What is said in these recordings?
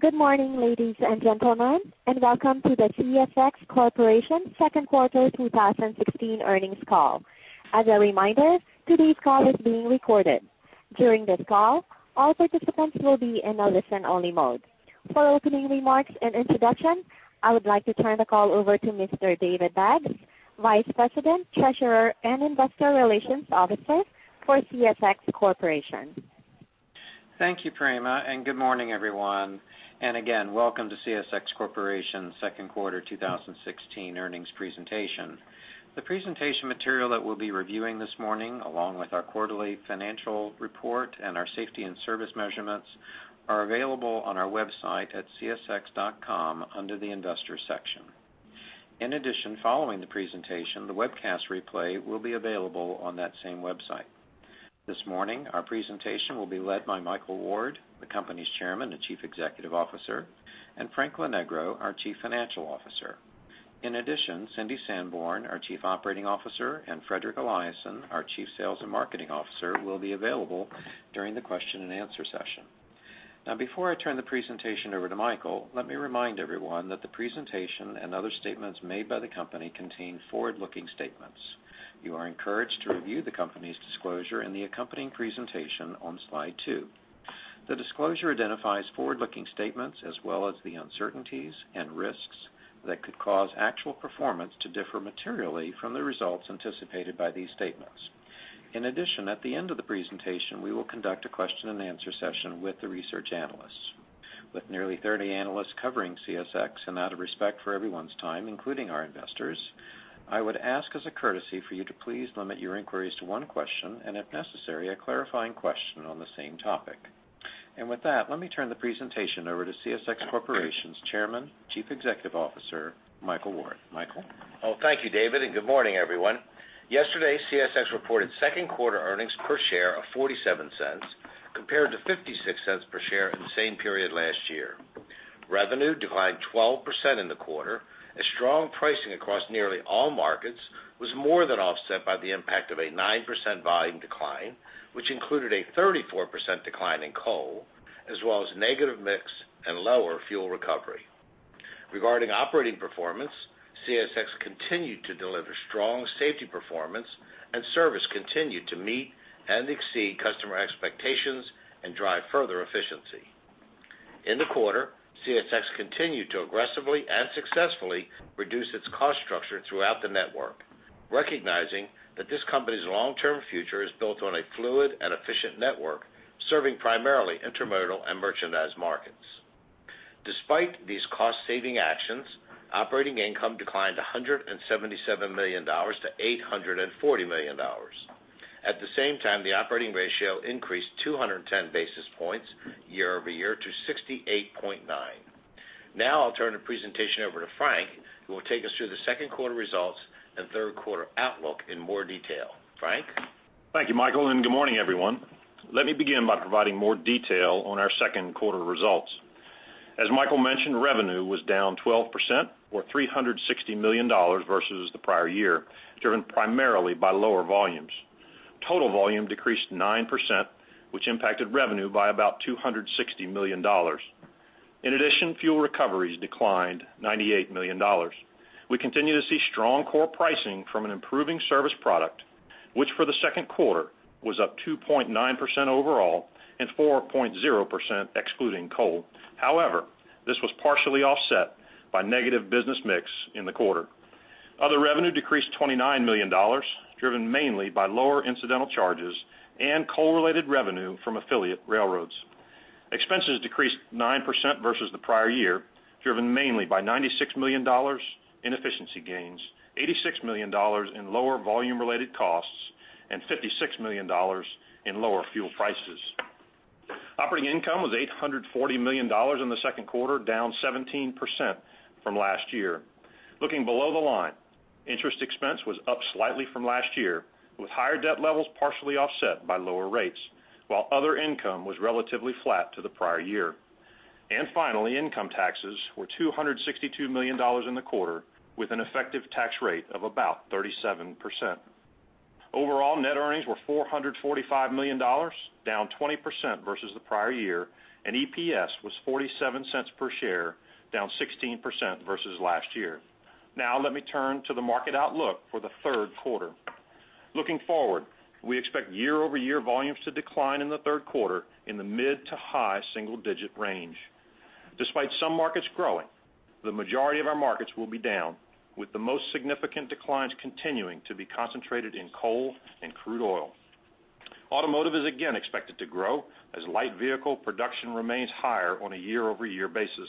Good morning, ladies and gentlemen, and welcome to the CSX Corporation Second Quarter 2016 Earnings Call. As a reminder, today's call is being recorded. During this call, all participants will be in a listen-only mode. For opening remarks and introduction, I would like to turn the call over to Mr. David Baggs, Vice President, Treasurer, and Investor Relations Officer for CSX Corporation. Thank you, Prema, and good morning, everyone, and again, welcome to CSX Corporation's Second Quarter 2016 Earnings Presentation. The presentation material that we'll be reviewing this morning, along with our quarterly financial report and our safety and service measurements, are available on our website at csx.com under the Investors section. In addition, following the presentation, the webcast replay will be available on that same website. This morning, our presentation will be led by Michael Ward, the company's Chairman and Chief Executive Officer, and Frank Lonegro, our Chief Financial Officer. In addition, Cindy Sanborn, our Chief Operating Officer, and Fredrik Eliasson, our Chief Sales and Marketing Officer, will be available during the question-and-answer session. Now, before I turn the presentation over to Michael, let me remind everyone that the presentation and other statements made by the company contain forward-looking statements. You are encouraged to review the company's disclosure in the accompanying presentation on slide two. The disclosure identifies Forward-Looking Statements, as well as the uncertainties and risks that could cause actual performance to differ materially from the results anticipated by these statements. In addition, at the end of the presentation, we will conduct a question-and-answer session with the research analysts. With nearly 30 analysts covering CSX, and out of respect for everyone's time, including our investors, I would ask as a courtesy for you to please limit your inquiries to one question and, if necessary, a clarifying question on the same topic. And with that, let me turn the presentation over to CSX Corporation's Chairman, Chief Executive Officer, Michael Ward. Michael? Well, thank you, David, and good morning, everyone. Yesterday, CSX reported second quarter earnings per share of $0.47, compared to $0.56 per share in the same period last year. Revenue declined 12% in the quarter, as strong pricing across nearly all markets was more than offset by the impact of a 9% volume decline, which included a 34% decline in coal, as well as negative mix and lower fuel recovery. Regarding operating performance, CSX continued to deliver strong safety performance, and service continued to meet and exceed customer expectations and drive further efficiency. In the quarter, CSX continued to aggressively and successfully reduce its cost structure throughout the network, recognizing that this company's long-term future is built on a fluid and efficient network, serving primarily intermodal and merchandise markets. Despite these cost-saving actions, operating income declined $177 million-$840 million. At the same time, the operating ratio increased 210 basis points year-over-year to 68.9. Now I'll turn the presentation over to Frank, who will take us through the second quarter results and third quarter outlook in more detail. Frank? Thank you, Michael, and good morning, everyone. Let me begin by providing more detail on our second quarter results. As Michael mentioned, revenue was down 12% or $360 million versus the prior year, driven primarily by lower volumes. Total volume decreased 9%, which impacted revenue by about $260 million. In addition, fuel recoveries declined $98 million. We continue to see strong core pricing from an improving service product, which for the second quarter was up 2.9% overall and 4.0% excluding coal. However, this was partially offset by negative business mix in the quarter. Other revenue decreased $29 million, driven mainly by lower incidental charges and coal-related revenue from affiliate railroads. Expenses decreased 9% versus the prior year, driven mainly by $96 million in efficiency gains, $86 million in lower volume-related costs, and $56 million in lower fuel prices. Operating income was $840 million in the second quarter, down 17% from last year. Looking below the line, interest expense was up slightly from last year, with higher debt levels partially offset by lower rates, while other income was relatively flat to the prior year. And finally, income taxes were $262 million in the quarter, with an effective tax rate of about 37%. Overall, net earnings were $445 million, down 20% versus the prior year, and EPS was $0.47 per share, down 16% versus last year. Now let me turn to the market outlook for the third quarter. Looking forward, we expect year-over-year volumes to decline in the third quarter in the mid- to high-single-digit range. Despite some markets growing, the majority of our markets will be down, with the most significant declines continuing to be concentrated in coal and crude oil. Automotive is again expected to grow as light vehicle production remains higher on a year-over-year basis.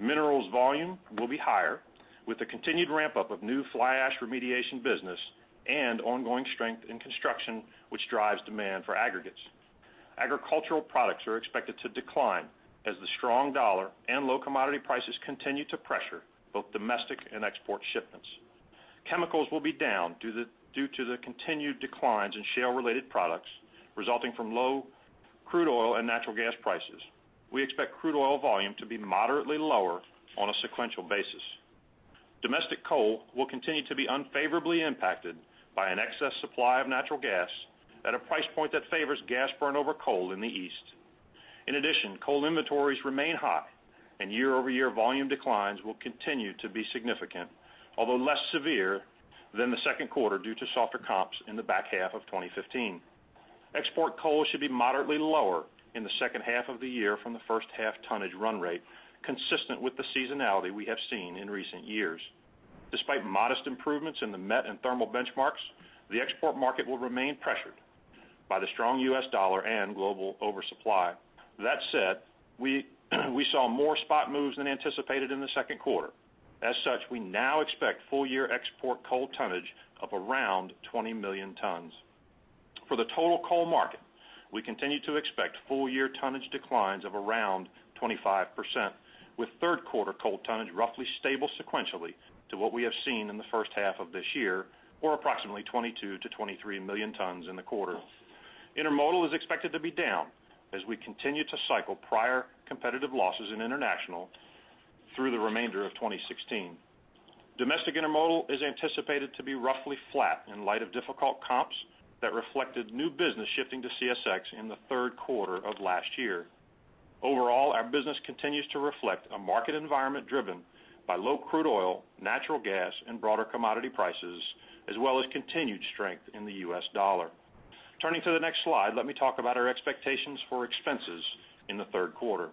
Minerals volume will be higher, with the continued ramp-up of new fly ash remediation business and ongoing strength in construction, which drives demand for aggregates. Agricultural products are expected to decline as the strong dollar and low commodity prices continue to pressure both domestic and export shipments. Chemicals will be down due to the continued declines in shale-related products, resulting from low crude oil and natural gas prices. We expect crude oil volume to be moderately lower on a sequential basis. Domestic coal will continue to be unfavorably impacted by an excess supply of natural gas at a price point that favors gas burn over coal in the East. In addition, coal inventories remain high, and year-over-year volume declines will continue to be significant, although less severe than the second quarter due to softer comps in the back half of 2015. Export coal should be moderately lower in the second half of the year from the first half tonnage run rate, consistent with the seasonality we have seen in recent years. Despite modest improvements in the met and thermal benchmarks, the export market will remain pressured by the strong U.S. dollar and global oversupply. That said, we saw more spot moves than anticipated in the second quarter. As such, we now expect full-year export coal tonnage of around 20 million tons. For the total coal market, we continue to expect full-year tonnage declines of around 25%, with third quarter coal tonnage roughly stable sequentially to what we have seen in the first half of this year, or approximately 22 million-23 million tons in the quarter. Intermodal is expected to be down as we continue to cycle prior competitive losses in international through the remainder of 2016. Domestic intermodal is anticipated to be roughly flat in light of difficult comps that reflected new business shifting to CSX in the third quarter of last year. Overall, our business continues to reflect a market environment driven by low crude oil, natural gas, and broader commodity prices, as well as continued strength in the U.S. dollar. Turning to the next slide, let me talk about our expectations for expenses in the third quarter.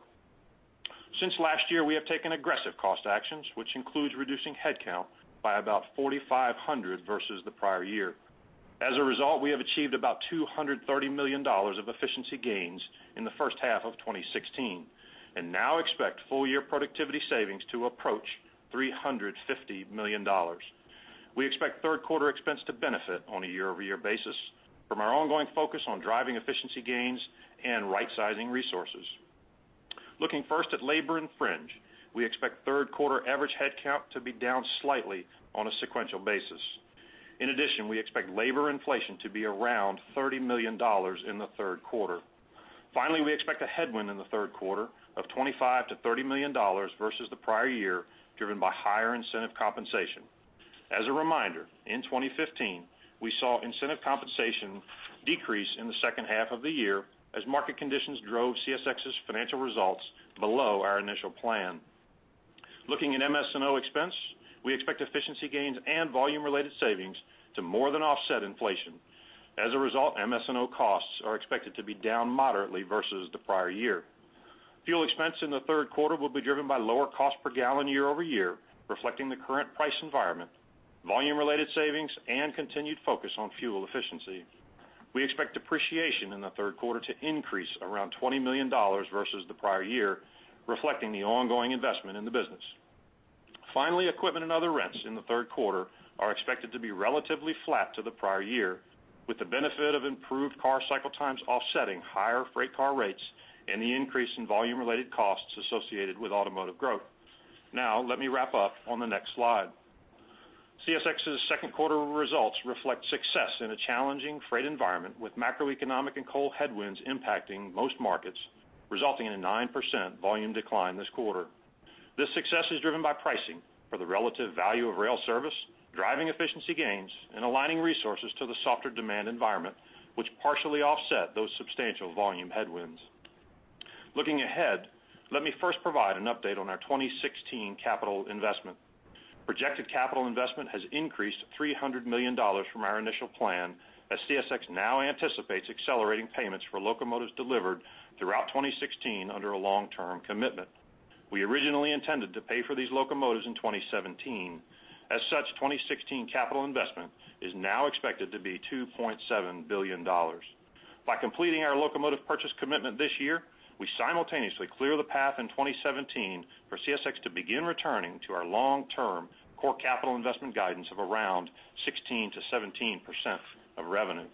Since last year, we have taken aggressive cost actions, which includes reducing headcount by about 4,500 versus the prior year. As a result, we have achieved about $230 million of efficiency gains in the first half of 2016, and now expect full-year productivity savings to approach $350 million. We expect third quarter expense to benefit on a year-over-year basis from our ongoing focus on driving efficiency gains and rightsizing resources. Looking first at labor and fringe, we expect third quarter average headcount to be down slightly on a sequential basis. In addition, we expect labor inflation to be around $30 million in the third quarter. Finally, we expect a headwind in the third quarter of $25 million-$30 million versus the prior year, driven by higher incentive compensation. As a reminder, in 2015, we saw incentive compensation decrease in the second half of the year as market conditions drove CSX's financial results below our initial plan. Looking at MS&O expense, we expect efficiency gains and volume-related savings to more than offset inflation. As a result, MS&O costs are expected to be down moderately versus the prior year. Fuel expense in the third quarter will be driven by lower cost per gallon year over year, reflecting the current price environment, volume-related savings, and continued focus on fuel efficiency. We expect depreciation in the third quarter to increase around $20 million versus the prior year, reflecting the ongoing investment in the business. Finally, equipment and other rents in the third quarter are expected to be relatively flat to the prior year, with the benefit of improved car cycle times offsetting higher freight car rates and the increase in volume-related costs associated with automotive growth. Now, let me wrap up on the next slide. CSX's second quarter results reflect success in a challenging freight environment, with macroeconomic and coal headwinds impacting most markets, resulting in a 9% volume decline this quarter. This success is driven by pricing for the relative value of rail service, driving efficiency gains, and aligning resources to the softer demand environment, which partially offset those substantial volume headwinds. Looking ahead, let me first provide an update on our 2016 capital investment. Projected capital investment has increased $300 million from our initial plan, as CSX now anticipates accelerating payments for locomotives delivered throughout 2016 under a long-term commitment. We originally intended to pay for these locomotives in 2017. As such, 2016 capital investment is now expected to be $2.7 billion. By completing our locomotive purchase commitment this year, we simultaneously clear the path in 2017 for CSX to begin returning to our long-term core capital investment guidance of around 16%-17% of revenue.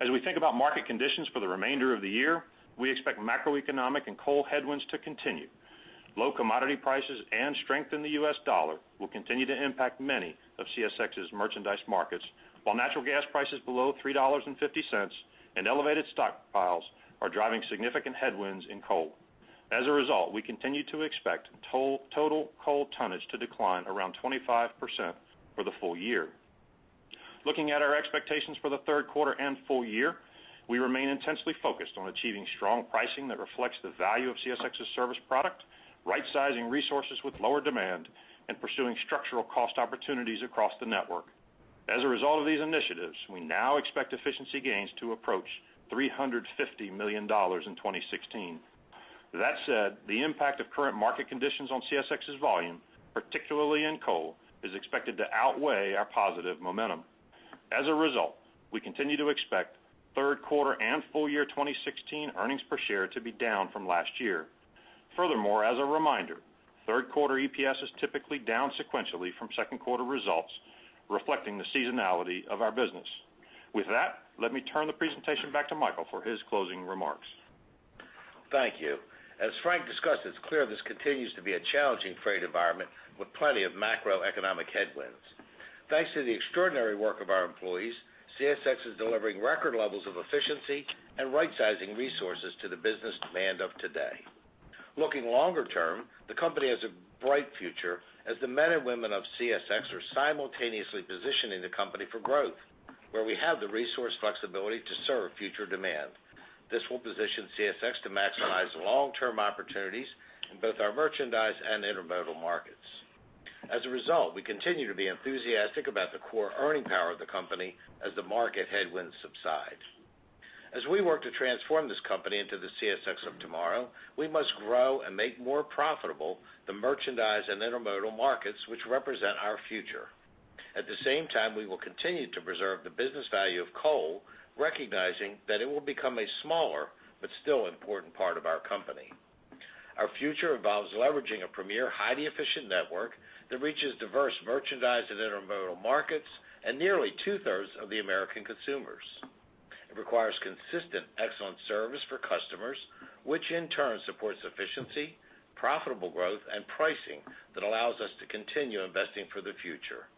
As we think about market conditions for the remainder of the year, we expect macroeconomic and coal headwinds to continue. Low commodity prices and strength in the U.S. dollar will continue to impact many of CSX's merchandise markets, while natural gas prices below $3.50 and elevated stockpiles are driving significant headwinds in coal. As a result, we continue to expect total coal tonnage to decline around 25% for the full year. Looking at our expectations for the third quarter and full year, we remain intensely focused on achieving strong pricing that reflects the value of CSX's service product, rightsizing resources with lower demand, and pursuing structural cost opportunities across the network. As a result of these initiatives, we now expect efficiency gains to approach $350 million in 2016. That said, the impact of current market conditions on CSX's volume, particularly in coal, is expected to outweigh our positive momentum. As a result, we continue to expect third quarter and full year 2016 Earnings Per Share to be down from last year. Furthermore, as a reminder, third quarter EPS is typically down sequentially from second quarter results, reflecting the seasonality of our business. With that, let me turn the presentation back to Michael for his closing remarks. Thank you. As Frank discussed, it's clear this continues to be a challenging freight environment with plenty of macroeconomic headwinds. Thanks to the extraordinary work of our employees, CSX is delivering record levels of efficiency and rightsizing resources to the business demand of today. Looking longer term, the company has a bright future as the men and women of CSX are simultaneously positioning the company for growth, where we have the resource flexibility to serve future demand. This will position CSX to maximize long-term opportunities in both our merchandise and intermodal markets. As a result, we continue to be enthusiastic about the core earning power of the company as the market headwinds subside. As we work to transform this company into the CSX of tomorrow, we must grow and make more profitable the merchandise and intermodal markets, which represent our future. At the same time, we will continue to preserve the business value of coal, recognizing that it will become a smaller but still important part of our company. Our future involves leveraging a premier, highly efficient network that reaches diverse merchandise and intermodal markets and nearly 2/3 of the American consumers. It requires consistent, excellent service for customers, which in turn supports efficiency, profitable growth, and pricing that allows us to continue investing for the future,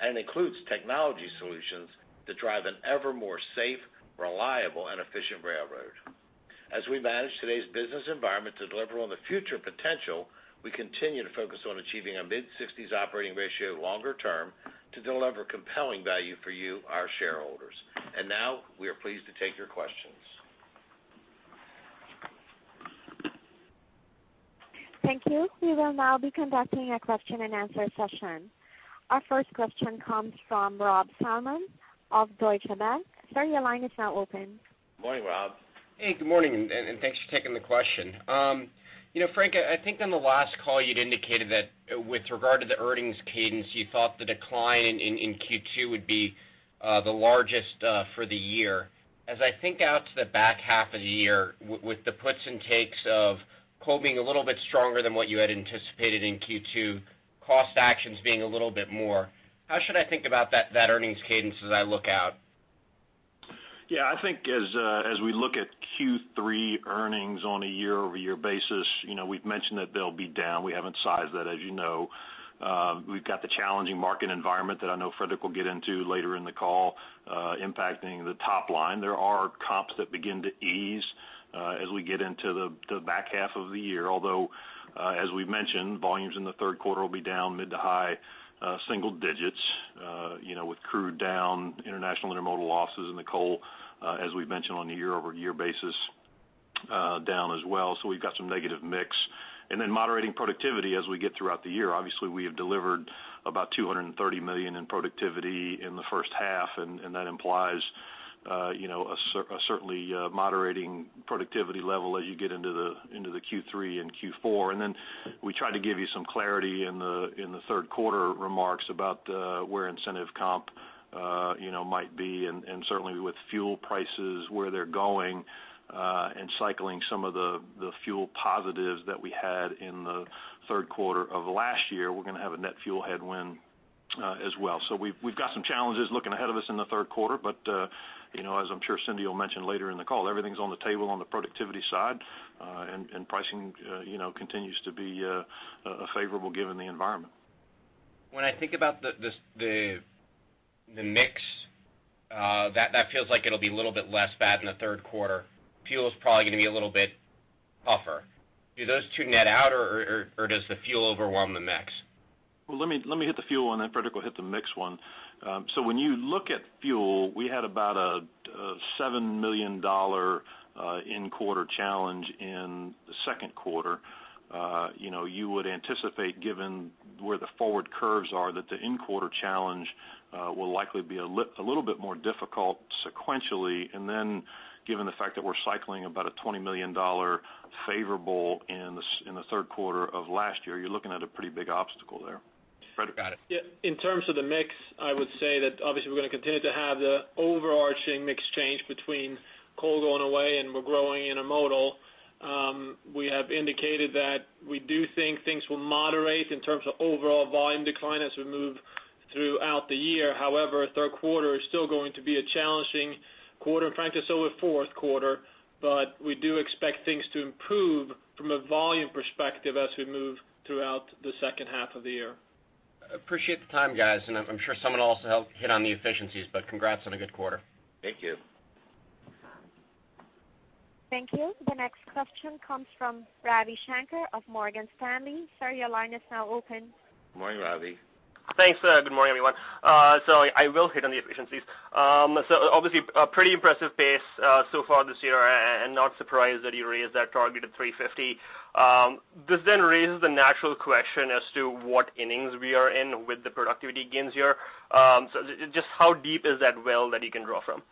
and includes technology solutions that drive an ever more safe, reliable, and efficient railroad. As we manage today's business environment to deliver on the future potential, we continue to focus on achieving a mid-60s operating ratio longer term to deliver compelling value for you, our shareholders. And now, we are pleased to take your questions. Thank you. We will now be conducting a question-and-answer session. Our first question comes from Rob Salmon of Deutsche Bank. Sir, your line is now open. Good morning, Rob. Hey, good morning, and thanks for taking the question. You know, Frank, I think on the last call, you'd indicated that with regard to the earnings cadence, you thought the decline in Q2 would be the largest for the year. As I think out to the back half of the year, with the puts and takes of coal being a little bit stronger than what you had anticipated in Q2, cost actions being a little bit more, how should I think about that earnings cadence as I look out? Yeah, I think as, as we look at Q3 earnings on a year-over-year basis, you know, we've mentioned that they'll be down. We haven't sized that, as you know. We've got the challenging market environment that I know Fredrik will get into later in the call, impacting the top line. There are comps that begin to ease, as we get into the back half of the year, although, as we've mentioned, volumes in the third quarter will be down mid to high single digits, you know, with crude down, international intermodal losses and the coal, as we've mentioned, on a year-over-year basis, down as well. So we've got some negative mix. And then moderating productivity as we get throughout the year. Obviously, we have delivered about $230 million in productivity in the first half, and that implies, you know, a certainly moderating productivity level as you get into the Q3 and Q4. And then we tried to give you some clarity in the third quarter remarks about where incentive comp might be, and certainly with fuel prices, where they're going, and cycling some of the fuel positives that we had in the third quarter of last year, we're gonna have a net fuel headwind as well. So we've got some challenges looking ahead of us in the third quarter, but you know, as I'm sure Cindy will mention later in the call, everything's on the table on the productivity side, and pricing, you know, continues to be a favorable given the environment. When I think about the mix, that feels like it'll be a little bit less bad in the third quarter. Fuel is probably gonna be a little bit tougher. Do those two net out, or does the fuel overwhelm the mix? Well, let me, let me hit the fuel one, then Fredrik will hit the mix one. So when you look at fuel, we had about a, a $7 million in-quarter challenge in the second quarter. You know, you would anticipate, given where the forward curves are, that the in-quarter challenge will likely be a little bit more difficult sequentially, and then given the fact that we're cycling about a $20 million favorable in the third quarter of last year, you're looking at a pretty big obstacle there. Fredrik? Got it. Yeah, in terms of the mix, I would say that obviously we're gonna continue to have the overarching mix change between coal going away and we're growing intermodal. We have indicated that we do think things will moderate in terms of overall volume decline as we move throughout the year. However, third quarter is still going to be a challenging quarter, and frankly, so will fourth quarter, but we do expect things to improve from a volume perspective as we move throughout the second half of the year. Appreciate the time, guys, and I'm sure someone will also help hit on the efficiencies, but congrats on a good quarter. Thank you. Thank you. The next question comes from Ravi Shanker of Morgan Stanley. Sir, your line is now open. Good morning, Ravi. Thanks, good morning, everyone. I will hit on the efficiencies. Obviously, a pretty impressive pace so far this year, and, and not surprised that you raised that target of $350 million. This then raises the natural question as to what innings we are in with the productivity gains here. Just how deep is that well that you can draw from?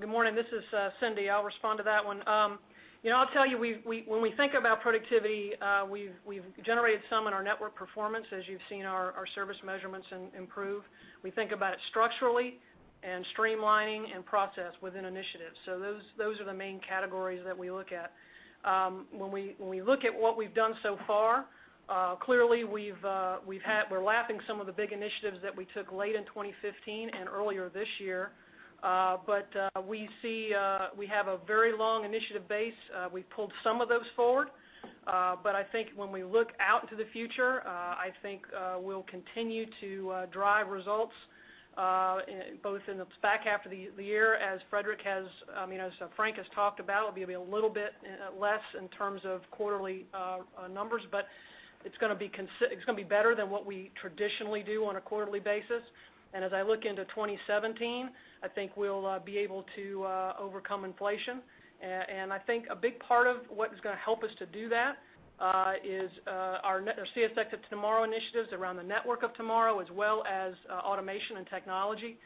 Good morning, this is Cindy. I'll respond to that one. You know, I'll tell you, when we think about productivity, we've generated some in our network performance. As you've seen our service measurements improve. We think about it structurally and streamlining and process within initiatives. So those are the main categories that we look at. When we look at what we've done so far, clearly, we're lapping some of the big initiatives that we took late in 2015 and earlier this year. But we see we have a very long initiative base. We've pulled some of those forward, but I think when we look out into the future, I think, we'll continue to drive results in both in the back half of the year, as Fredrik has, you know, as Frank has talked about, it'll be a little bit less in terms of quarterly numbers, but it's gonna be better than what we traditionally do on a quarterly basis. And as I look into 2017, I think we'll be able to overcome inflation. And I think a big part of what is gonna help us to do that is our CSX of Tomorrow initiatives around the Network of Tomorrow, as well as automation and technology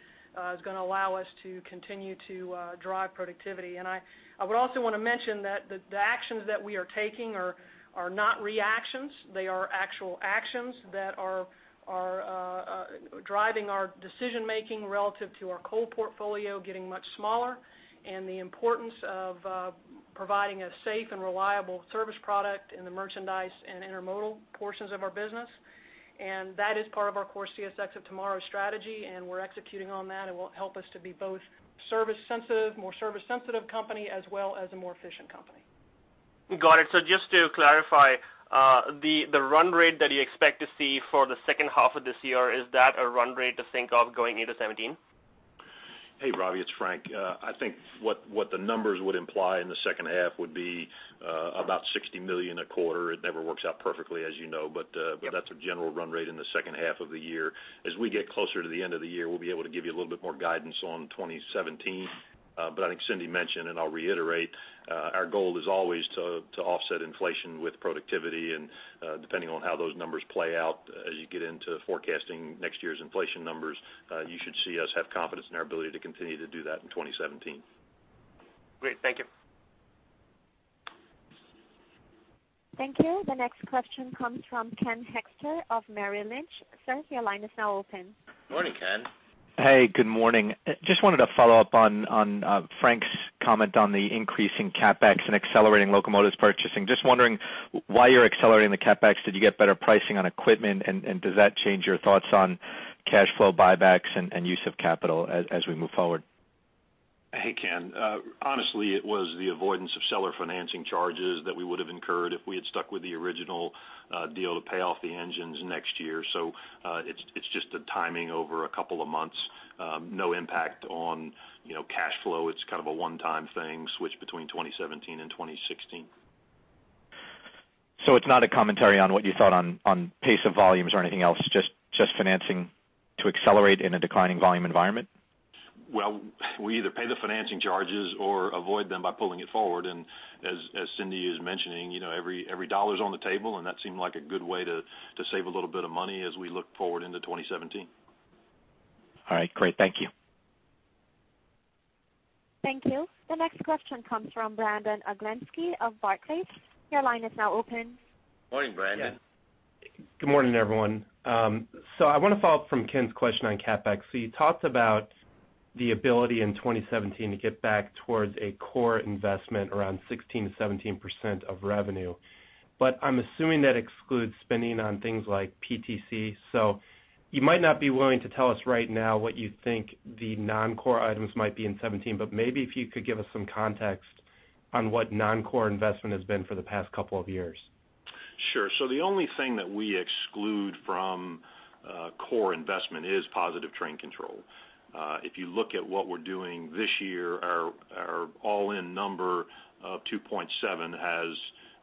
is gonna allow us to continue to drive productivity. And I would also want to mention that the actions that we are taking are not reactions, they are actual actions that are driving our decision-making relative to our coal portfolio getting much smaller, and the importance of providing a safe and reliable service product in the merchandise and intermodal portions of our business. And that is part of our core CSX of Tomorrow strategy, and we're executing on that, and will help us to be both service sensitive, more service-sensitive company, as well as a more efficient company. Got it. So just to clarify, the run rate that you expect to see for the second half of this year, is that a run rate to think of going into 2017? Hey, Ravi, it's Frank. I think what the numbers would imply in the second half would be about $60 million a quarter. It never works out perfectly, as you know, but- But that's a general run rate in the second half of the year. As we get closer to the end of the year, we'll be able to give you a little bit more guidance on 2017. But I think Cindy mentioned, and I'll reiterate, our goal is always to, to offset inflation with productivity. And, depending on how those numbers play out, as you get into forecasting next year's inflation numbers, you should see us have confidence in our ability to continue to do that in 2017. Great. Thank you. Thank you. The next question comes from Ken Hoexter of Merrill Lynch. Sir, your line is now open. Morning, Ken. Hey, good morning. Just wanted to follow up on Frank's comment on the increasing CapEx and accelerating locomotives purchasing. Just wondering why you're accelerating the CapEx? Did you get better pricing on equipment, and does that change your thoughts on cash flow buybacks and use of capital as we move forward? Hey, Ken. Honestly, it was the avoidance of seller financing charges that we would have incurred if we had stuck with the original deal to pay off the engines next year. So, it's just a timing over a couple of months. No impact on, you know, cash flow. It's kind of a one-time thing, switch between 2017 and 2016. So it's not a commentary on what you thought on pace of volumes or anything else, just financing to accelerate in a declining volume environment? Well, we either pay the financing charges or avoid them by pulling it forward. And as Cindy is mentioning, you know, every dollar is on the table, and that seemed like a good way to save a little bit of money as we look forward into 2017. All right, great. Thank you. Thank you. The next question comes from Brandon Oglenski of Barclays. Your line is now open. Morning, Brandon. Yes. Good morning, everyone. So I want to follow up from Ken's question on CapEx. So you talked about the ability in 2017 to get back towards a core investment around 16%-17% of revenue, but I'm assuming that excludes spending on things like PTC. So you might not be willing to tell us right now what you think the non-core items might be in 17%, but maybe if you could give us some context on what non-core investment has been for the past couple of years. Sure. So the only thing that we exclude from core investment is positive train control. If you look at what we're doing this year, our all-in number of $2.7 billion has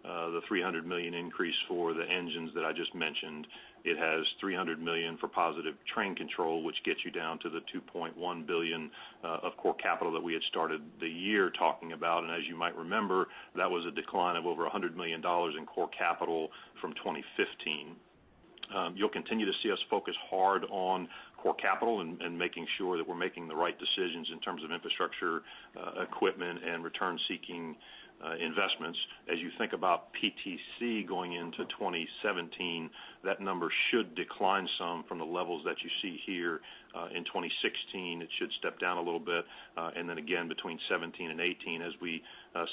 the $300 million increase for the engines that I just mentioned. It has $300 million for positive train control, which gets you down to the $2.1 billion of core capital that we had started the year talking about. And as you might remember, that was a decline of over $100 million in core capital from 2015. You'll continue to see us focus hard on core capital and making sure that we're making the right decisions in terms of infrastructure, equipment, and return-seeking investments. As you think about PTC going into 2017, that number should decline some from the levels that you see here in 2016. It should step down a little bit, and then again between 2017 and 2018, as we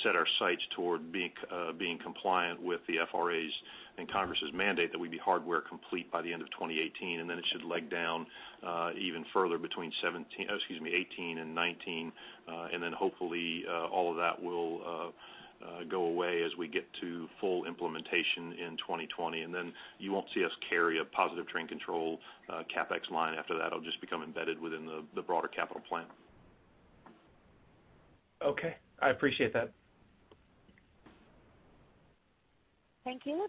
set our sights toward being compliant with the FRA's and Congress's mandate that we'd be hardware complete by the end of 2018, and then it should leg down even further between 2018 and 2019. And then hopefully, all of that will go away as we get to full implementation in 2020, and then you won't see us carry a positive train control CapEx line after that. It'll just become embedded within the broader capital plan. Okay, I appreciate that. Thank you.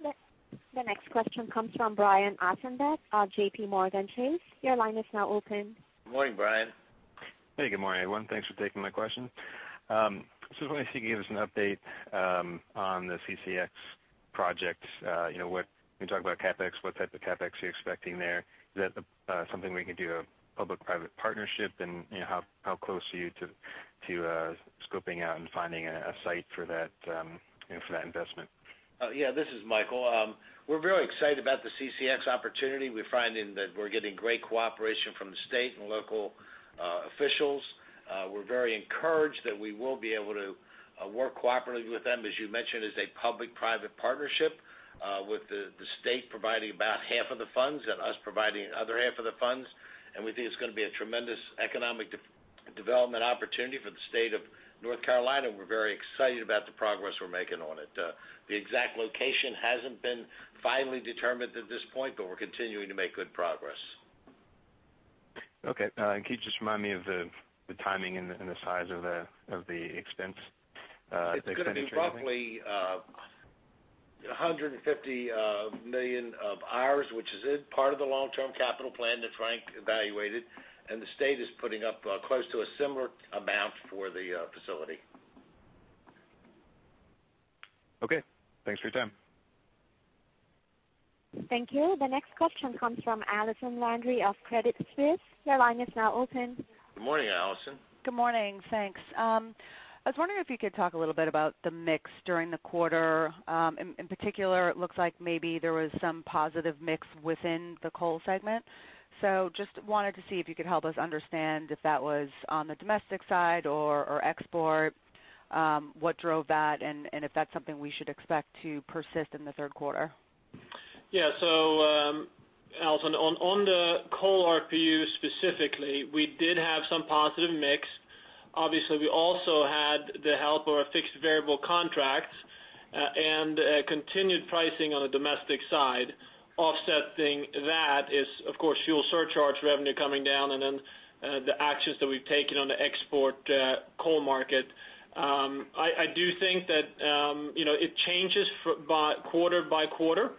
The next question comes from Brian Ossenbeck of J.P. Morgan Chase. Your line is now open. Morning, Brian. Hey, good morning, everyone. Thanks for taking my question.... so I was wondering if you could give us an update on the CCX project. You know what, you can talk about CapEx, what type of CapEx you're expecting there? Is that something we can do a public-private partnership? And, you know, how close are you to scoping out and finding a site for that, you know, for that investment? Yeah, this is Michael. We're very excited about the CCX opportunity. We're finding that we're getting great cooperation from the state and local officials. We're very encouraged that we will be able to work cooperatively with them. As you mentioned, it's a public-private partnership, with the state providing about half of the funds and us providing the other half of the funds. We think it's going to be a tremendous economic development opportunity for the state of North Carolina, and we're very excited about the progress we're making on it. The exact location hasn't been finally determined at this point, but we're continuing to make good progress. Okay. Can you just remind me of the timing and the size of the expense, the expenditure? It's going to be roughly $150 million of ours, which is in part of the long-term capital plan that Frank evaluated, and the state is putting up close to a similar amount for the facility. Okay, thanks for your time. Thank you. The next question comes from Allison Landry of Credit Suisse. Your line is now open. Good morning, Allison. Good morning. Thanks. I was wondering if you could talk a little bit about the mix during the quarter. In particular, it looks like maybe there was some positive mix within the coal segment. So just wanted to see if you could help us understand if that was on the domestic side or export, what drove that, and if that's something we should expect to persist in the third quarter. Yeah. So, Allison, on the coal RPU specifically, we did have some positive mix. Obviously, we also had the help of our fixed variable contracts, and continued pricing on the domestic side. Offsetting that is, of course, fuel surcharge revenue coming down and then the actions that we've taken on the export coal market. I do think that, you know, it changes from quarter to quarter,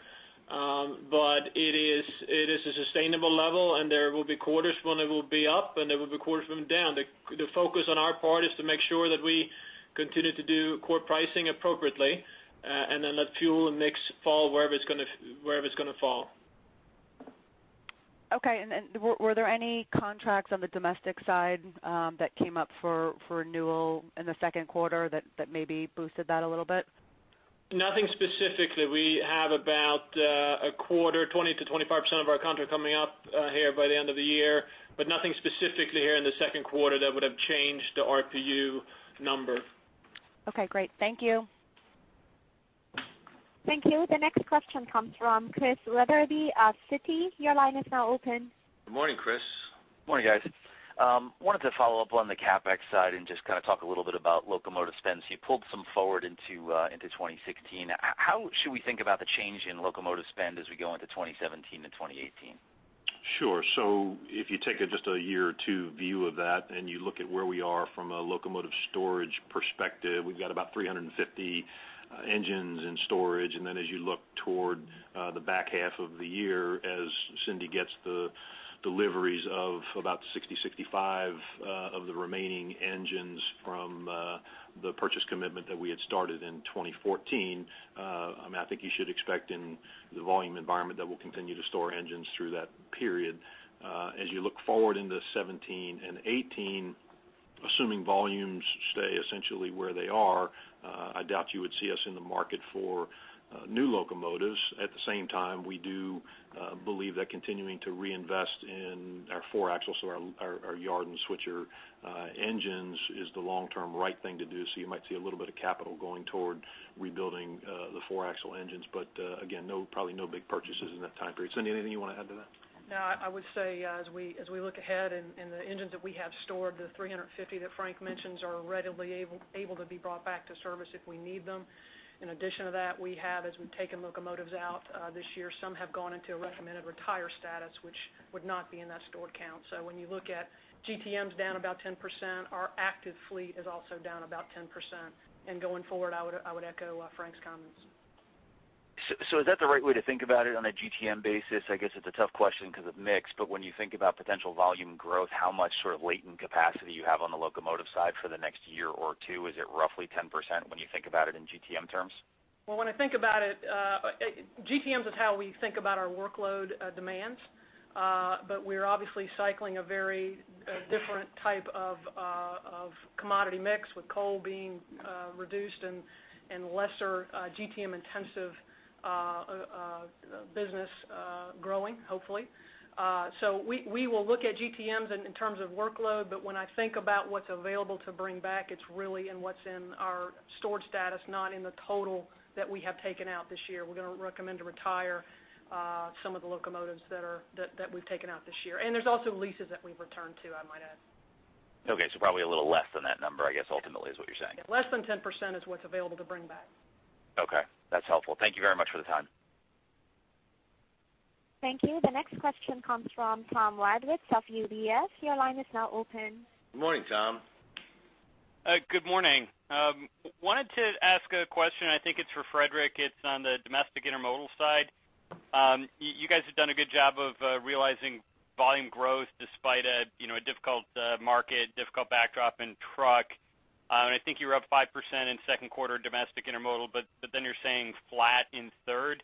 but it is a sustainable level, and there will be quarters when it will be up, and there will be quarters when down. The focus on our part is to make sure that we continue to do core pricing appropriately, and then let fuel and mix fall wherever it's gonna fall. Okay. And then were there any contracts on the domestic side that came up for renewal in the second quarter that maybe boosted that a little bit? Nothing specifically. We have about a quarter, 20%-25% of our contracts coming up here by the end of the year, but nothing specifically here in the second quarter that would have changed the RPU number. Okay, great. Thank you. Thank you. The next question comes from Chris Wetherbee of Citi. Your line is now open. Good morning, Chris. Morning, guys. Wanted to follow up on the CapEx side and just kind of talk a little bit about locomotive spend. So you pulled some forward into 2016. How should we think about the change in locomotive spend as we go into 2017 and 2018? Sure. So if you take just a year or two view of that, and you look at where we are from a locomotive storage perspective, we've got about 350 engines in storage. And then as you look toward the back half of the year, as Cindy gets the deliveries of about 60%-65% of the remaining engines from the purchase commitment that we had started in 2014, I mean, I think you should expect in the volume environment that we'll continue to store engines through that period. As you look forward into 2017 and 2018, assuming volumes stay essentially where they are, I doubt you would see us in the market for new locomotives. At the same time, we do believe that continuing to reinvest in our four-axle, so our yard and switcher engines, is the long-term right thing to do, so you might see a little bit of capital going toward rebuilding the four-axle engines. But again, no, probably no big purchases in that time period. Cindy, anything you want to add to that? No, I would say, as we look ahead and the engines that we have stored, the 350 that Frank mentions, are readily able to be brought back to service if we need them. In addition to that, we have, as we've taken locomotives out, this year, some have gone into a recommended retire status, which would not be in that stored count. So when you look at GTMs down about 10%, our active fleet is also down about 10%. And going forward, I would echo Frank's comments. So, so is that the right way to think about it on a GTM basis? I guess it's a tough question because of mix, but when you think about potential volume growth, how much sort of latent capacity you have on the locomotive side for the next year or two? Is it roughly 10% when you think about it in GTM terms? Well, when I think about it, GTM is how we think about our workload demands. But we're obviously cycling a very different type of commodity mix, with coal being reduced and lesser GTM-intensive business growing, hopefully. So we will look at GTMs in terms of workload, but when I think about what's available to bring back, it's really in what's in our stored status, not in the total that we have taken out this year. We're gonna recommend to retire some of the locomotives that we've taken out this year. And there's also leases that we've returned to, I might add. Okay. So probably a little less than that number, I guess, ultimately, is what you're saying. Less than 10% is what's available to bring back. Okay, that's helpful. Thank you very much for the time. Thank you. The next question comes from Thomas Wadewitz of UBS. Your line is now open. Good morning, Tom. Good morning. Wanted to ask a question. I think it's for Fredrik. It's on the domestic intermodal side. You guys have done a good job of realizing volume growth despite a, you know, a difficult market, difficult backdrop in truck. And I think you were up 5% in second quarter domestic intermodal, but then you're saying flat in third.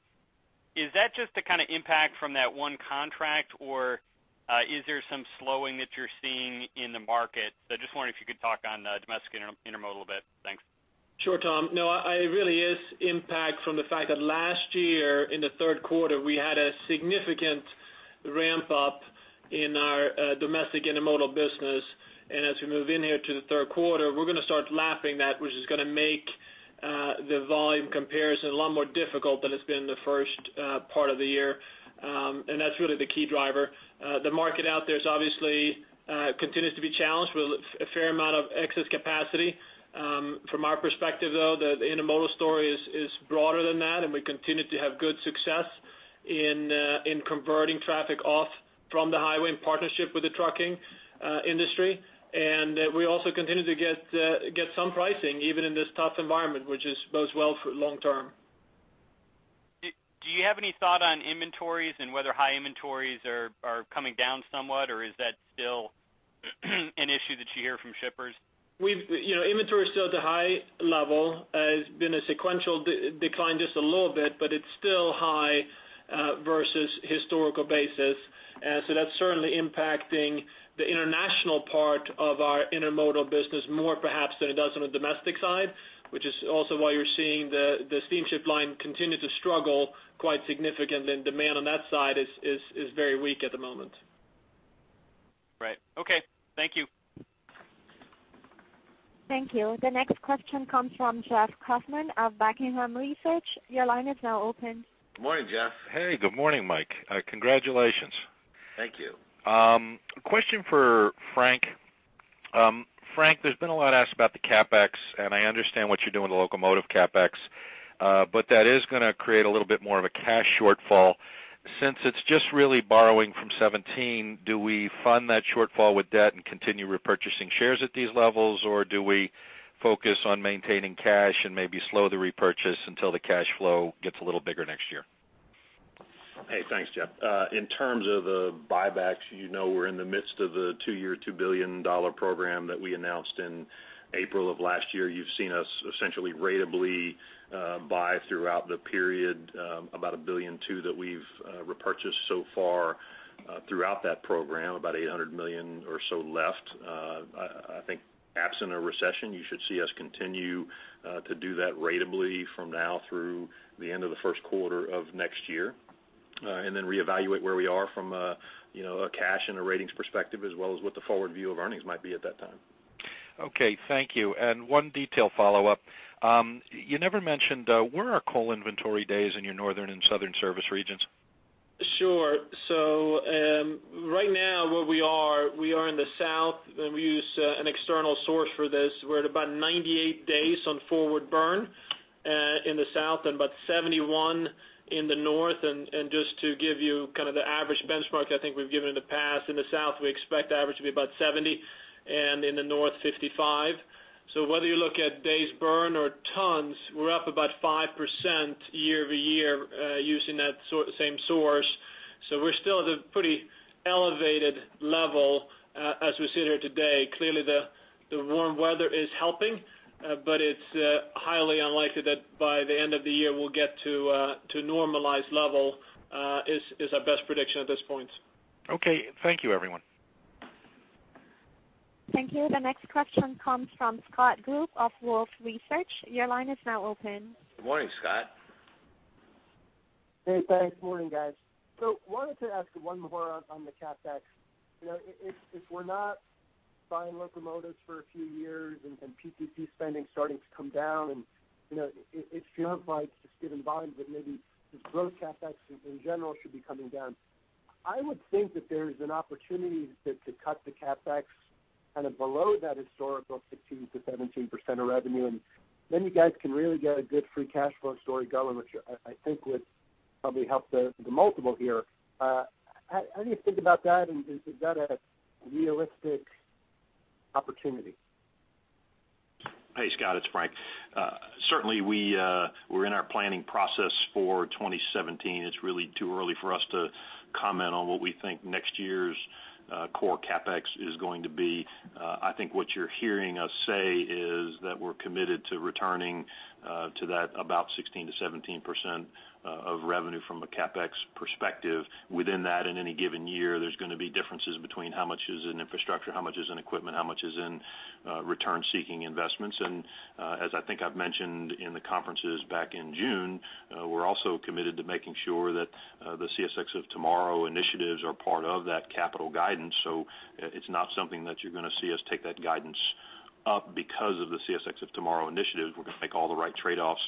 Is that just the kind of impact from that one contract, or is there some slowing that you're seeing in the market? So I just wonder if you could talk on the domestic intermodal a bit. Thanks. Sure, Tom. No, it really is impact from the fact that last year, in the third quarter, we had a significant ramp up in our domestic intermodal business. And as we move in here to the third quarter, we're going to start lapping that, which is going to make the volume comparison a lot more difficult than it's been in the first part of the year. And that's really the key driver. The market out there obviously continues to be challenged with a fair amount of excess capacity. From our perspective, though, the intermodal story is broader than that, and we continue to have good success in converting traffic off from the highway in partnership with the trucking industry. We also continue to get some pricing, even in this tough environment, which bodes well for long term. Do you have any thought on inventories and whether high inventories are coming down somewhat, or is that still an issue that you hear from shippers? You know, inventory is still at a high level. It's been a sequential decline just a little bit, but it's still high versus historical basis. So that's certainly impacting the international part of our intermodal business more perhaps than it does on the domestic side, which is also why you're seeing the steamship line continue to struggle quite significantly, and demand on that side is very weak at the moment. Right. Okay. Thank you. Thank you. The next question comes from Jeff Kauffman of Buckingham Research. Your line is now open. Good morning, Jeff. Hey, good morning, Mike. Congratulations. Thank you. Question for Frank. Frank, there's been a lot asked about the CapEx, and I understand what you're doing with the locomotive CapEx, but that is going to create a little bit more of a cash shortfall. Since it's just really borrowing from 2017, do we fund that shortfall with debt and continue repurchasing shares at these levels, or do we focus on maintaining cash and maybe slow the repurchase until the cash flow gets a little bigger next year? Hey, thanks, Jeff. In terms of the buybacks, you know, we're in the midst of the two-year, $2 billion program that we announced in April of last year. You've seen us essentially ratably buy throughout the period, about $1.2 billion that we've repurchased so far, throughout that program, about $800 million or so left. I think absent a recession, you should see us continue to do that ratably from now through the end of the first quarter of next year, and then reevaluate where we are from a, you know, a cash and a ratings perspective, as well as what the forward view of earnings might be at that time. Okay, thank you. One detail follow-up. You never mentioned where are coal inventory days in your northern and southern service regions? Sure. So, right now, where we are, we are in the South, and we use an external source for this. We're at about 98 days on forward burn in the South and about 71% in the North. And just to give you kind of the average benchmark, I think we've given in the past, in the South, we expect the average to be about 70%, and in the North, 55%. So whether you look at days burn or tons, we're up about 5% year-over-year using that same source. So we're still at a pretty elevated level as we sit here today. Clearly, the warm weather is helping, but it's highly unlikely that by the end of the year, we'll get to normalized level. It is our best prediction at this point. Okay. Thank you, everyone. Thank you. The next question comes from Scott Group of Wolfe Research. Your line is now open. Good morning, Scott. Hey, thanks. Morning, guys. So wanted to ask one more on the CapEx. You know, if we're not buying locomotives for a few years and PTP spending starting to come down, and you know, it feels like just given volume, but maybe the growth CapEx in general should be coming down. I would think that there's an opportunity to cut the CapEx kind of below that historical 16%-17% of revenue, and then you guys can really get a good free cash flow story going, which I think would probably help the multiple here. How do you think about that, and is that a realistic opportunity? Hey, Scott, it's Frank. Certainly, we, we're in our planning process for 2017. It's really too early for us to comment on what we think next year's core CapEx is going to be. I think what you're hearing us say is that we're committed to returning to that about 16%-17% of revenue from a CapEx perspective. Within that, in any given year, there's going to be differences between how much is in infrastructure, how much is in equipment, how much is in return-seeking investments. And as I think I've mentioned in the conferences back in June, we're also committed to making sure that the CSX of Tomorrow initiatives are part of that capital guidance. So it, it's not something that you're going to see us take that guidance up because of the CSX of Tomorrow initiatives. We're going to make all the right trade-offs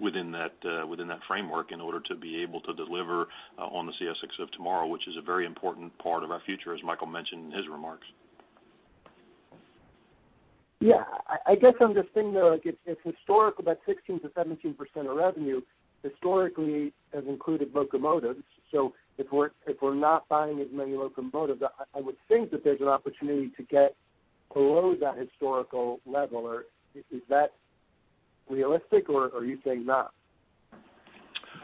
within that, within that framework in order to be able to deliver, on the CSX of Tomorrow, which is a very important part of our future, as Michael mentioned in his remarks. Yeah, I guess I'm just thinking, though, like, if historical, that 16%-17% of revenue historically has included locomotives, so if we're not buying as many locomotives, I would think that there's an opportunity to get below that historical level, or is that realistic, or are you saying not?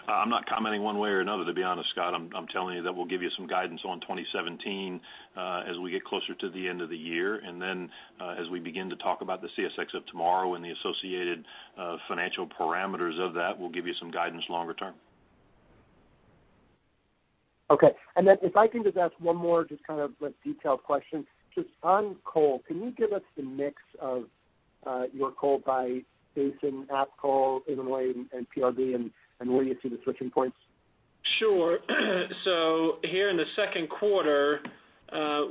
I'm not commenting one way or another, to be honest, Scott. I'm telling you that we'll give you some guidance on 2017, as we get closer to the end of the year. And then, as we begin to talk about the CSX of tomorrow and the associated financial parameters of that, we'll give you some guidance longer term. Okay. And then if I can just ask one more, just kind of a detailed question. Just on coal, can you give us the mix of your coal by basin, App coal, Illinois, and PRB, and where do you see the switching points? Sure. So here in the second quarter,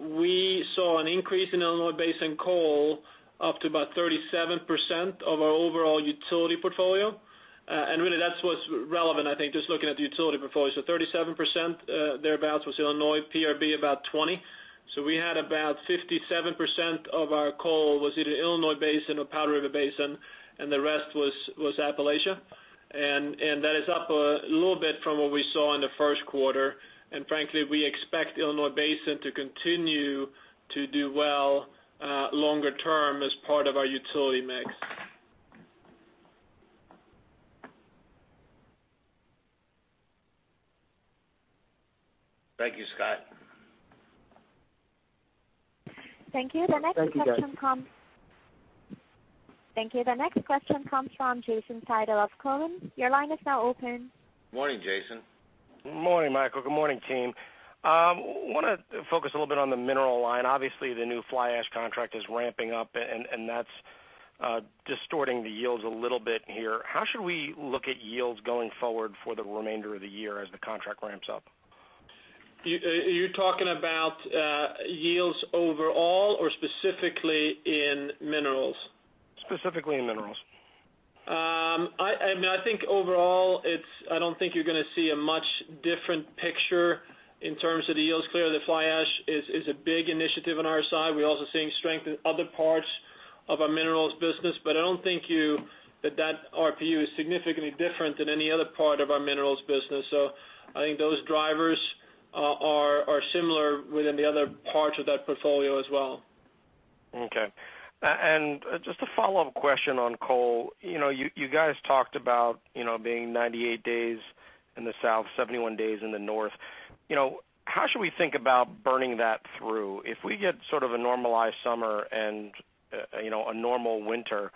we saw an increase in Illinois Basin coal up to about 37% of our overall utility portfolio. And really, that's what's relevant, I think, just looking at the utility portfolio. So 37%, thereabouts, was Illinois, PRB about 20%. So we had about 57% of our coal was either Illinois Basin or Powder River Basin, and the rest was Appalachia. And that is up a little bit from what we saw in the first quarter. And frankly, we expect Illinois Basin to continue to do well longer term as part of our utility mix. Thank you, Scott. Thank you. The next question comes- Thank you, guys. Thank you. The next question comes from Jason Seidl of Cowen. Your line is now open. Morning, Jason. Morning, Michael. Good morning, team. I wanna focus a little bit on the mineral line. Obviously, the new fly ash contract is ramping up, and that's distorting the yields a little bit here. How should we look at yields going forward for the remainder of the year as the contract ramps up? You, are you talking about yields overall or specifically in minerals? Specifically in minerals. I mean, I think overall, it's I don't think you're gonna see a much different picture in terms of the yields. Clearly, the fly ash is a big initiative on our side. We're also seeing strength in other parts of our minerals business. But I don't think that RPU is significantly different than any other part of our minerals business. So I think those drivers are similar within the other parts of that portfolio as well. Okay. And just a follow-up question on coal. You know, you, you guys talked about, you know, being 98 days in the south, 71 days in the north. You know, how should we think about burning that through? If we get sort of a normalized summer and, you know, a normal winter,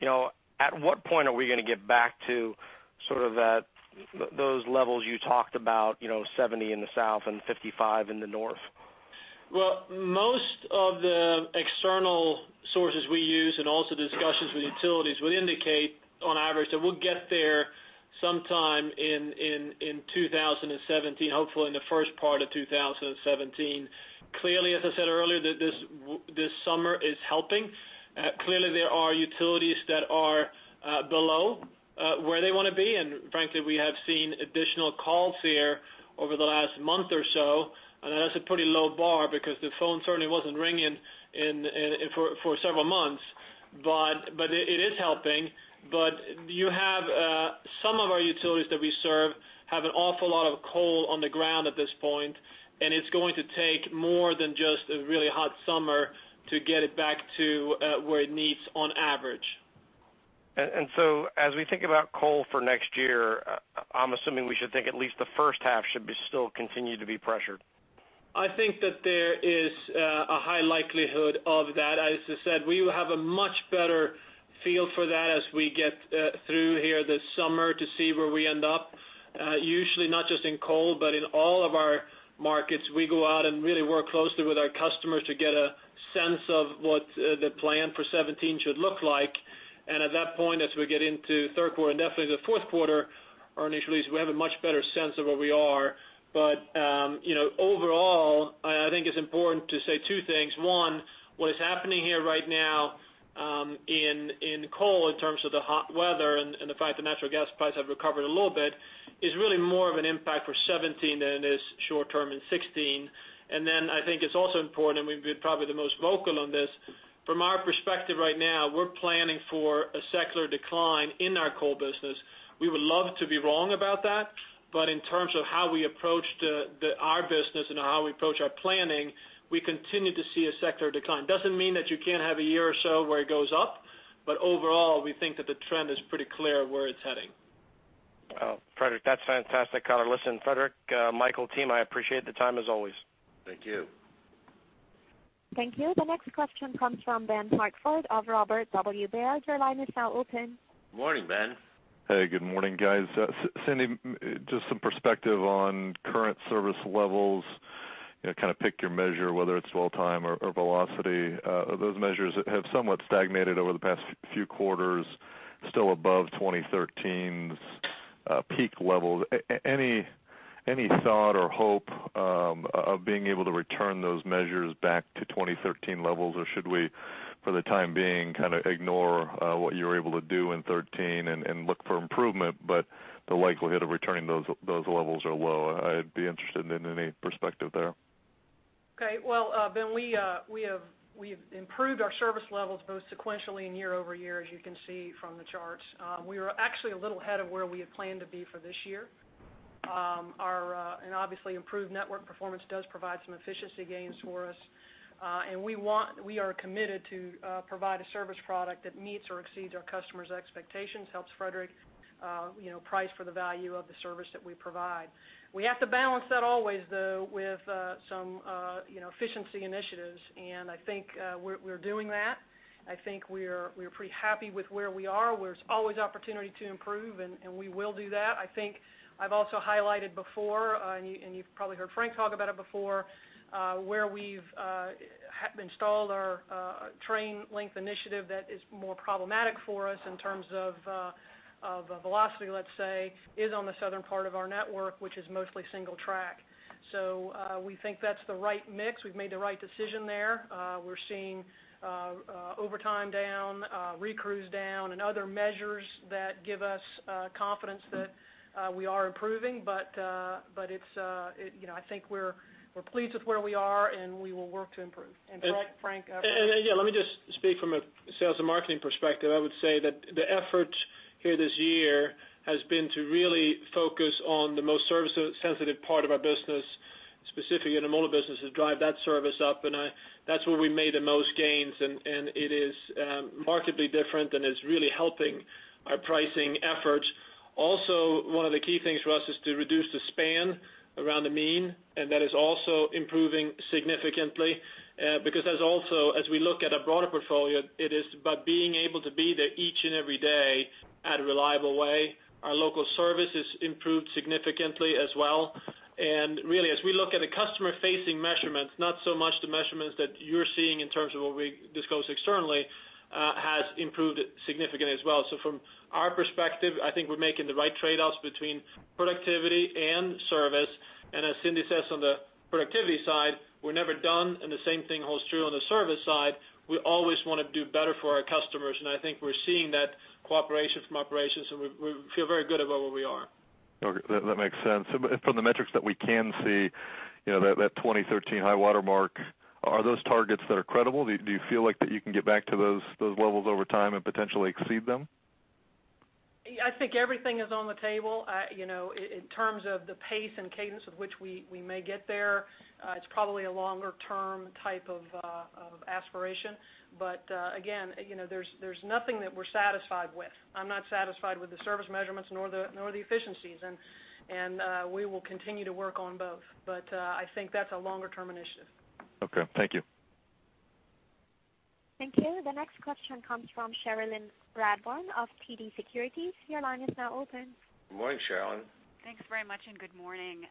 you know, at what point are we gonna get back to sort of that, those levels you talked about, you know, 70 days in the south and 55 days in the north? Well, most of the external sources we use, and also discussions with utilities, would indicate, on average, that we'll get there sometime in 2017, hopefully in the first part of 2017. Clearly, as I said earlier, this summer is helping. Clearly, there are utilities that are below where they wanna be, and frankly, we have seen additional calls here over the last month or so. And that's a pretty low bar because the phone certainly wasn't ringing for several months. But it is helping. But you have some of our utilities that we serve have an awful lot of coal on the ground at this point, and it's going to take more than just a really hot summer to get it back to where it needs on average. And so as we think about coal for next year, I'm assuming we should think at least the first half should be still continue to be pressured. I think that there is a high likelihood of that. As I said, we will have a much better feel for that as we get through here this summer to see where we end up. Usually, not just in coal, but in all of our markets, we go out and really work closely with our customers to get a sense of what the plan for 2017 should look like. And at that point, as we get into third quarter and definitely the fourth quarter, our initial release, we have a much better sense of where we are. But, you know, overall, I think it's important to say two things. One, what is happening here right now, in coal, in terms of the hot weather and the fact that natural gas prices have recovered a little bit, is really more of an impact for 2017 than it is short term in 2016. And then I think it's also important, and we've been probably the most vocal on this, from our perspective right now, we're planning for a secular decline in our coal business. We would love to be wrong about that, but in terms of how we approach our business and how we approach our planning, we continue to see a secular decline. Doesn't mean that you can't have a year or so where it goes up, but overall, we think that the trend is pretty clear where it's heading. Well, Fredrik, that's fantastic color. Listen, Fredrik, Michael, team, I appreciate the time as always. Thank you. Thank you. The next question comes from Ben Hartford of Robert W. Baird. Your line is now open. Morning, Ben. Hey, good morning, guys. Cindy, just some perspective on current service levels. You know, kind of pick your measure, whether it's dwell time or velocity. Those measures have somewhat stagnated over the past few quarters, still above 2013's peak levels. Any thought or hope of being able to return those measures back to 2013 levels? Or should we, for the time being, kind of ignore what you're able to do in 2013 and look for improvement, but the likelihood of returning those levels are low? I'd be interested in any perspective there. Okay, well, Ben, we've improved our service levels both sequentially and year-over-year, as you can see from the charts. We were actually a little ahead of where we had planned to be for this year. And obviously, improved network performance does provide some efficiency gains for us. And we are committed to provide a service product that meets or exceeds our customers' expectations, helps Fredrik, you know, price for the value of the service that we provide. We have to balance that always, though, with some, you know, efficiency initiatives, and I think we're doing that. I think we're pretty happy with where we are. Where there's always opportunity to improve, and we will do that. I think I've also highlighted before, and you, and you've probably heard Frank talk about it before, where we've installed our Train Length Initiative that is more problematic for us in terms of of velocity, let's say, is on the southern part of our network, which is mostly single track. So, we think that's the right mix. We've made the right decision there. We're seeing, overtime down, recrews down and other measures that give us, confidence that, we are improving, but, but it's, it, you know, I think we're, we're pleased with where we are, and we will work to improve. And Frank, Frank, Yeah, let me just speak from a sales and marketing perspective. I would say that the effort here this year has been to really focus on the most service-sensitive part of our business, specifically in the intermodal business, to drive that service up, and that's where we made the most gains, and it is markedly different, and it's really helping our pricing efforts. Also, one of the key things for us is to reduce the span around the mean, and that is also improving significantly, because as also, as we look at a broader portfolio, it is about being able to be there each and every day at a reliable way. Our local service has improved significantly as well. Really, as we look at the customer-facing measurements, not so much the measurements that you're seeing in terms of what we disclose externally, has improved significantly as well. From our perspective, I think we're making the right trade-offs between productivity and service, and as Cindy says, on the productivity side, we're never done, and the same thing holds true on the service side. We always wanna do better for our customers, and I think we're seeing that cooperation from operations, and we feel very good about where we are. Okay, that makes sense. So but from the metrics that we can see, you know, that 2013 high water mark, are those targets that are credible? Do you feel like that you can get back to those levels over time and potentially exceed them? Yeah, I think everything is on the table. You know, in terms of the pace and cadence of which we may get there, it's probably a longer-term type of aspiration. But again, you know, there's nothing that we're satisfied with. I'm not satisfied with the service measurements nor the efficiencies, and we will continue to work on both. But I think that's a longer term initiative. Okay, thank you. Thank you. The next question comes from Cherilyn Radbourne of TD Securities. Your line is now open. Good morning, Cherilyn. Thanks very much, and good morning.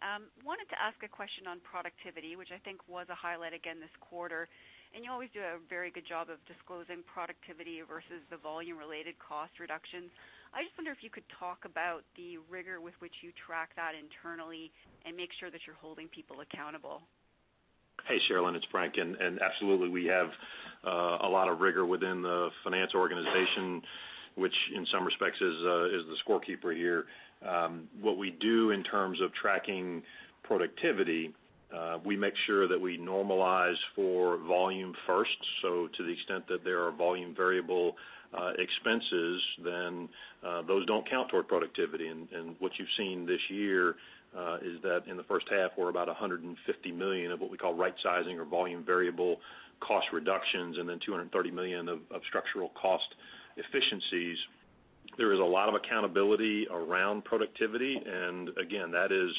Wanted to ask a question on productivity, which I think was a highlight again this quarter, and you always do a very good job of disclosing productivity versus the volume-related cost reductions. I just wonder if you could talk about the rigor with which you track that internally and make sure that you're holding people accountable. Hey, Cherilyn, it's Frank, and absolutely, we have a lot of rigor within the finance organization, which in some respects is the scorekeeper here. What we do in terms of tracking productivity, we make sure that we normalize for volume first. So to the extent that there are volume variable expenses, then those don't count toward productivity. And what you've seen this year is that in the first half, we're about $150 million of what we call right-sizing or volume variable cost reductions, and then $230 million of structural cost efficiencies. There is a lot of accountability around productivity, and again, that is,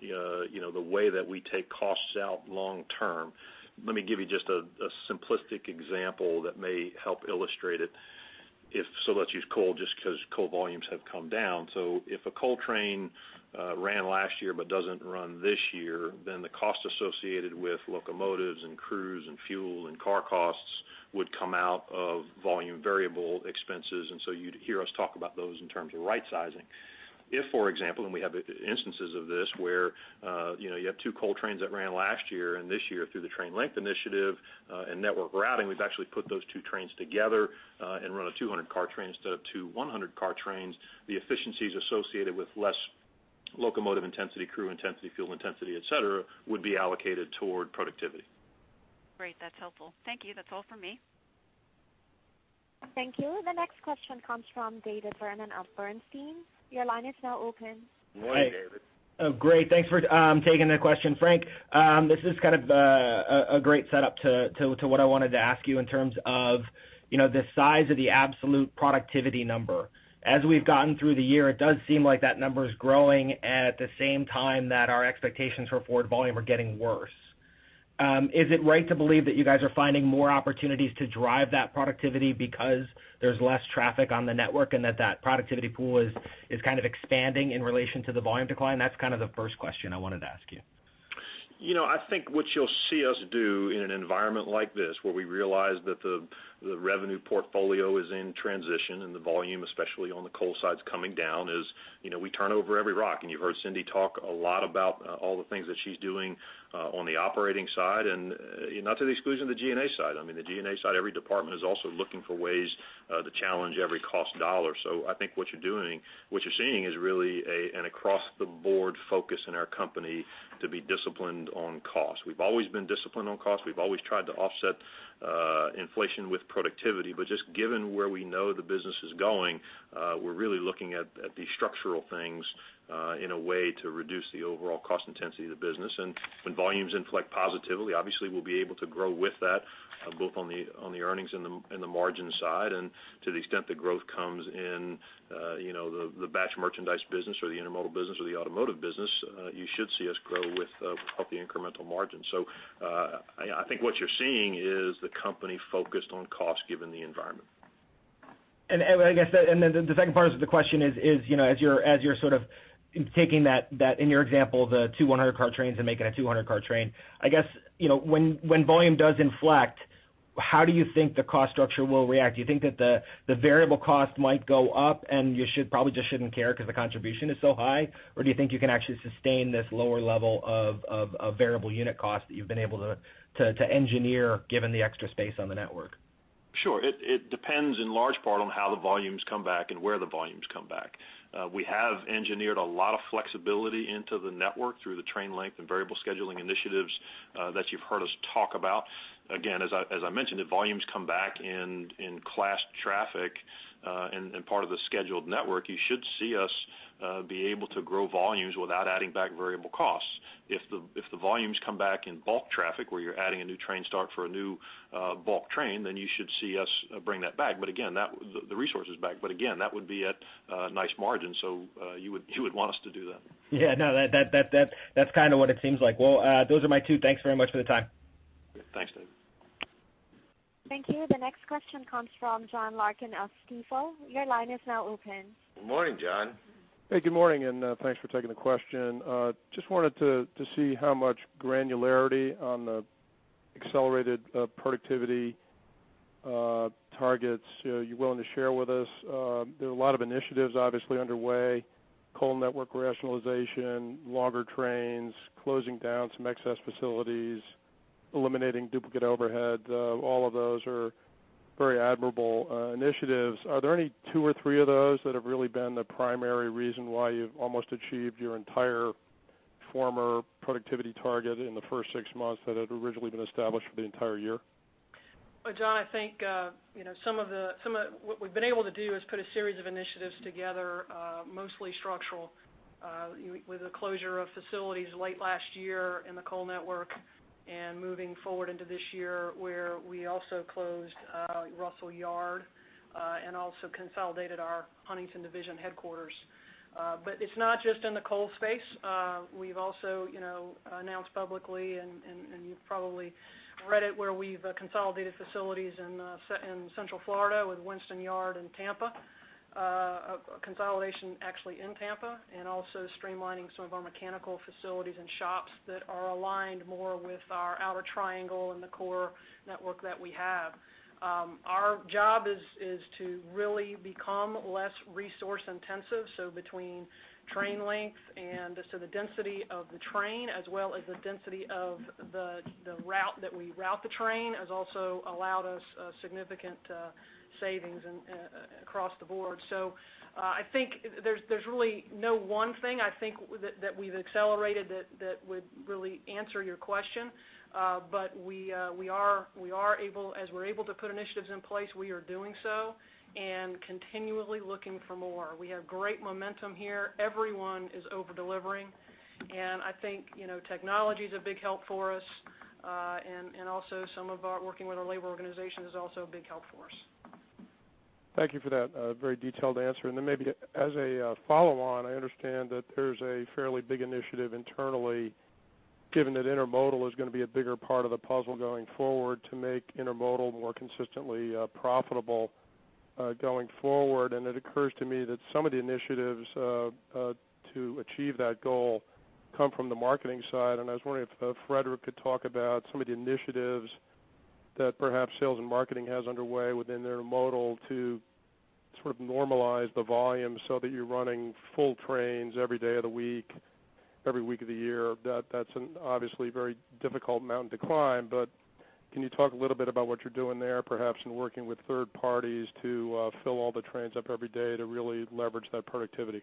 you know, the way that we take costs out long term. Let me give you just a simplistic example that may help illustrate it. So let's use coal, just 'cause coal volumes have come down. So if a coal train ran last year but doesn't run this year, then the cost associated with locomotives and crews and fuel and car costs would come out of volume variable expenses, and so you'd hear us talk about those in terms of right-sizing. If, for example, and we have instances of this, where you know, you have two coal trains that ran last year, and this year, through the Train Length Initiative and network routing, we've actually put those two trains together and run a 200-car train instead of two 100-car trains. The efficiencies associated with less locomotive intensity, crew intensity, fuel intensity, etc, would be allocated toward productivity. Great. That's helpful. Thank you. That's all for me. Thank you. The next question comes from David Vernon of Bernstein. Your line is now open. Good morning, David. Oh, great. Thanks for taking the question. Frank, this is kind of a great setup to what I wanted to ask you in terms of, you know, the size of the absolute productivity number. As we've gotten through the year, it does seem like that number is growing at the same time that our expectations for forward volume are getting worse. Is it right to believe that you guys are finding more opportunities to drive that productivity because there's less traffic on the network, and that that productivity pool is kind of expanding in relation to the volume decline? That's kind of the first question I wanted to ask you. You know, I think what you'll see us do in an environment like this, where we realize that the revenue portfolio is in transition and the volume, especially on the coal side, is coming down, you know, we turn over every rock. And you've heard Cindy talk a lot about all the things that she's doing on the operating side, and not to the exclusion of the G&A side. I mean, the G&A side, every department is also looking for ways to challenge every cost dollar. So I think what you're doing—what you're seeing is really an across-the-board focus in our company to be disciplined on cost. We've always been disciplined on cost. We've always tried to offset inflation with productivity, but just given where we know the business is going- we're really looking at the structural things, in a way to reduce the overall cost intensity of the business. And when volumes inflect positively, obviously, we'll be able to grow with that, both on the earnings and the margin side. And to the extent the growth comes in, you know, the batch merchandise business or the intermodal business or the automotive business, you should see us grow with healthy incremental margins. So, I think what you're seeing is the company focused on cost, given the environment. I guess, and then the second part of the question is, you know, as you're sort of taking that in your example, the 200-car trains and making it a 200-car train, I guess, you know, when volume does inflect, how do you think the cost structure will react? Do you think that the variable cost might go up, and you should probably just shouldn't care because the contribution is so high? Or do you think you can actually sustain this lower level of variable unit cost that you've been able to engineer, given the extra space on the network? Sure. It depends in large part on how the volumes come back and where the volumes come back. We have engineered a lot of flexibility into the network through the train length and variable scheduling initiatives that you've heard us talk about. Again, as I mentioned, if volumes come back in class traffic and part of the scheduled network, you should see us be able to grow volumes without adding back variable costs. If the volumes come back in bulk traffic, where you're adding a new train start for a new bulk train, then you should see us bring that back. But again, the resource is back. But again, that would be at a nice margin, so you would want us to do that. Yeah, no, that's kind of what it seems like. Well, those are my two. Thanks very much for the time. Thanks, David. Thank you. The next question comes from John Larkin of Stifel. Your line is now open. Good morning, John. Hey, good morning, and thanks for taking the question. Just wanted to see how much granularity on the accelerated productivity targets you're willing to share with us. There are a lot of initiatives obviously underway, coal network rationalization, longer trains, closing down some excess facilities, eliminating duplicate overhead. All of those are very admirable initiatives. Are there any two or three of those that have really been the primary reason why you've almost achieved your entire former productivity target in the first six months that had originally been established for the entire year? Well, John, I think, you know, some of what we've been able to do is put a series of initiatives together, mostly structural, with the closure of facilities late last year in the coal network, and moving forward into this year, where we also closed Russell Yard, and also consolidated our Huntington division headquarters. But it's not just in the coal space. We've also, you know, announced publicly, and you've probably read it, where we've consolidated facilities in central Florida with Winston Yard and Tampa. A consolidation actually in Tampa, and also streamlining some of our mechanical facilities and shops that are aligned more with our outer triangle and the core network that we have. Our job is to really become less resource intensive, so between train length and the density of the train, as well as the density of the route that we route the train, has also allowed us significant savings across the board. So, I think there's really no one thing, I think, that we've accelerated that would really answer your question. But we are able—as we're able to put initiatives in place, we are doing so and continually looking for more. We have great momentum here. Everyone is over-delivering, and I think, you know, technology is a big help for us, and also some of our working with our labor organization is also a big help for us. Thank you for that, very detailed answer. And then maybe as a follow-on, I understand that there's a fairly big initiative internally, given that intermodal is gonna be a bigger part of the puzzle going forward, to make intermodal more consistently profitable, going forward. And it occurs to me that some of the initiatives to achieve that goal come from the marketing side. And I was wondering if Fredrik could talk about some of the initiatives that perhaps sales and marketing has underway within intermodal to sort of normalize the volume so that you're running full trains every day of the week, every week of the year. That's an obviously very difficult mountain to climb, but can you talk a little bit about what you're doing there, perhaps in working with third parties to fill all the trains up every day to really leverage that productivity?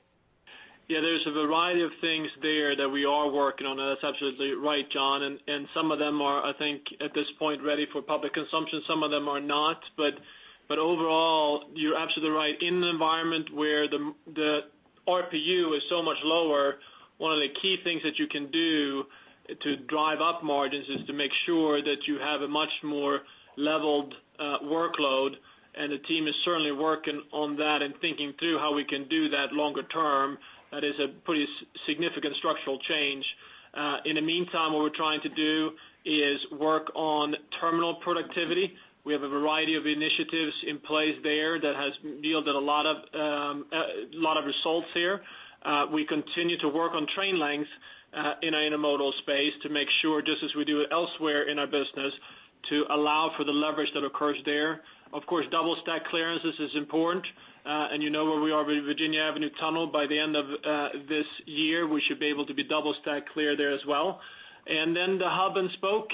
Yeah, there's a variety of things there that we are working on. That's absolutely right, John, and some of them are, I think, at this point, ready for public consumption. Some of them are not. But overall, you're absolutely right. In an environment where the RPU is so much lower, one of the key things that you can do to drive up margins is to make sure that you have a much more leveled workload, and the team is certainly working on that and thinking through how we can do that longer term. That is a pretty significant structural change. In the meantime, what we're trying to do is work on terminal productivity. We have a variety of initiatives in place there that has yielded a lot of a lot of results here. We continue to work on train lengths in our intermodal space to make sure, just as we do elsewhere in our business, to allow for the leverage that occurs there. Of course, double stack clearances is important. You know where we are with Virginia Avenue Tunnel. By the end of this year, we should be able to be double stack clear there as well. And then the hub-and-spoke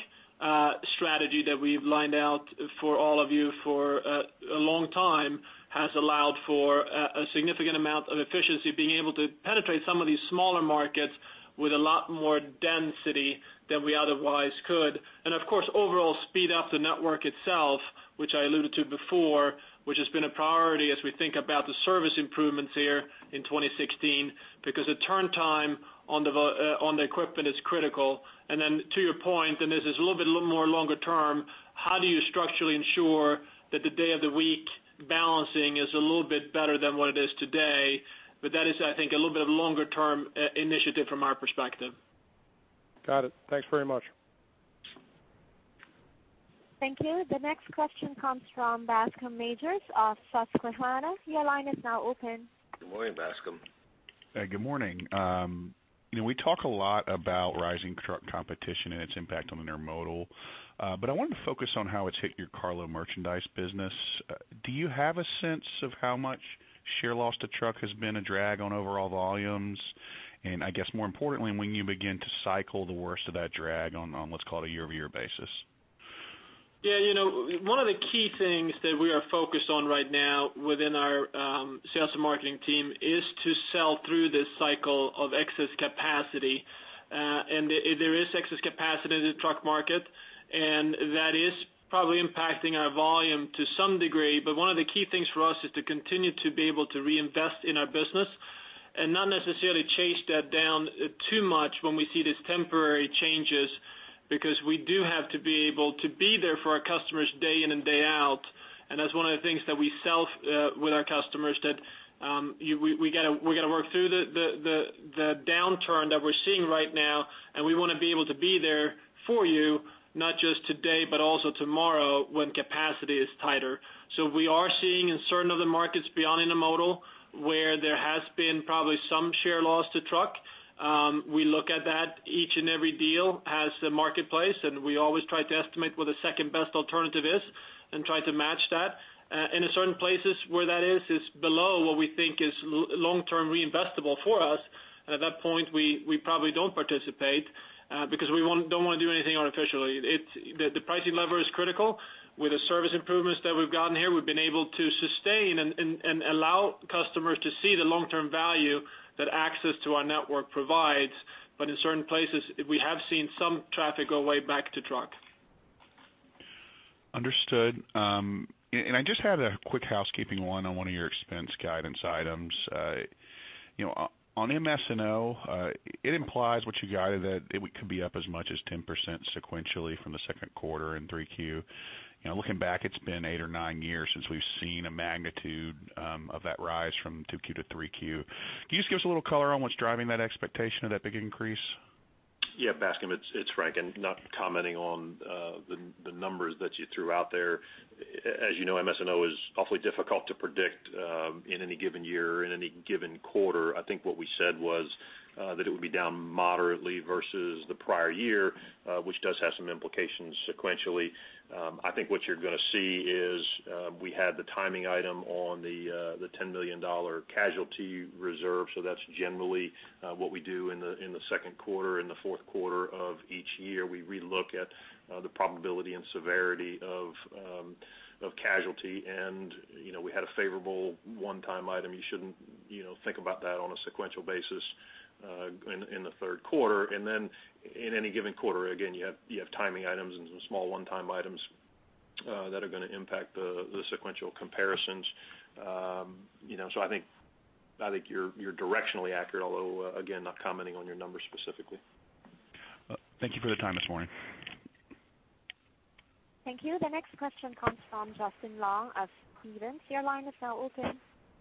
strategy that we've lined out for all of you for a long time has allowed for a significant amount of efficiency, being able to penetrate some of these smaller markets with a lot more density than we otherwise could, and of course, overall speed up the network itself. which I alluded to before, which has been a priority as we think about the service improvements here in 2016, because the turn time on the v-, on the equipment is critical. And then to your point, and this is a little bit, a little more longer term, how do you structurally ensure that the day of the week balancing is a little bit better than what it is today? But that is, I think, a little bit of a longer term, initiative from our perspective. Got it. Thanks very much. Thank you. The next question comes from Bascome Majors of Susquehanna. Your line is now open. Good morning, Bascome. Good morning. You know, we talk a lot about rising truck competition and its impact on the intermodal, but I wanted to focus on how it's hit your carload merchandise business. Do you have a sense of how much share loss to truck has been a drag on overall volumes? And I guess more importantly, when you begin to cycle the worst of that drag on what's called a year-over-year basis. Yeah, you know, one of the key things that we are focused on right now within our sales and marketing team is to sell through this cycle of excess capacity. And there is excess capacity in the truck market, and that is probably impacting our volume to some degree. But one of the key things for us is to continue to be able to reinvest in our business, and not necessarily chase that down too much when we see these temporary changes, because we do have to be able to be there for our customers day in and day out. And that's one of the things that we sell with our customers, that we gotta work through the downturn that we're seeing right now, and we want to be able to be there for you, not just today, but also tomorrow when capacity is tighter. So we are seeing in certain of the markets beyond intermodal, where there has been probably some share loss to truck. We look at that each and every deal as a marketplace, and we always try to estimate what the second-best alternative is and try to match that. And in certain places where that is below what we think is long-term reinvestable for us, and at that point, we probably don't participate, because we don't want to do anything artificially. The pricing lever is critical. With the service improvements that we've gotten here, we've been able to sustain and allow customers to see the long-term value that access to our network provides. But in certain places, we have seen some traffic go way back to truck. Understood. And I just had a quick housekeeping one on one of your expense guidance items. You know, on MS&O, it implies what you guided, that it could be up as much as 10% sequentially from the second quarter in 3Q. You know, looking back, it's been eight or nine years since we've seen a magnitude of that rise from 2Q-3Q. Can you just give us a little color on what's driving that expectation of that big increase? Yeah, Bascom, it's Frank, and not commenting on the numbers that you threw out there. As you know, MS&O is awfully difficult to predict in any given year, in any given quarter. I think what we said was that it would be down moderately versus the prior year, which does have some implications sequentially. I think what you're gonna see is we had the timing item on the $10 million casualty reserve, so that's generally what we do in the second quarter and the fourth quarter of each year. We relook at the probability and severity of casualty, and, you know, we had a favorable one-time item. You shouldn't, you know, think about that on a sequential basis in the third quarter. And then in any given quarter, again, you have, you have timing items and some small one-time items, that are gonna impact the, the sequential comparisons. You know, so I think, I think you're, you're directionally accurate, although, again, not commenting on your numbers specifically. Thank you for the time this morning. Thank you. The next question comes from Justin Long of Stephens. Your line is now open.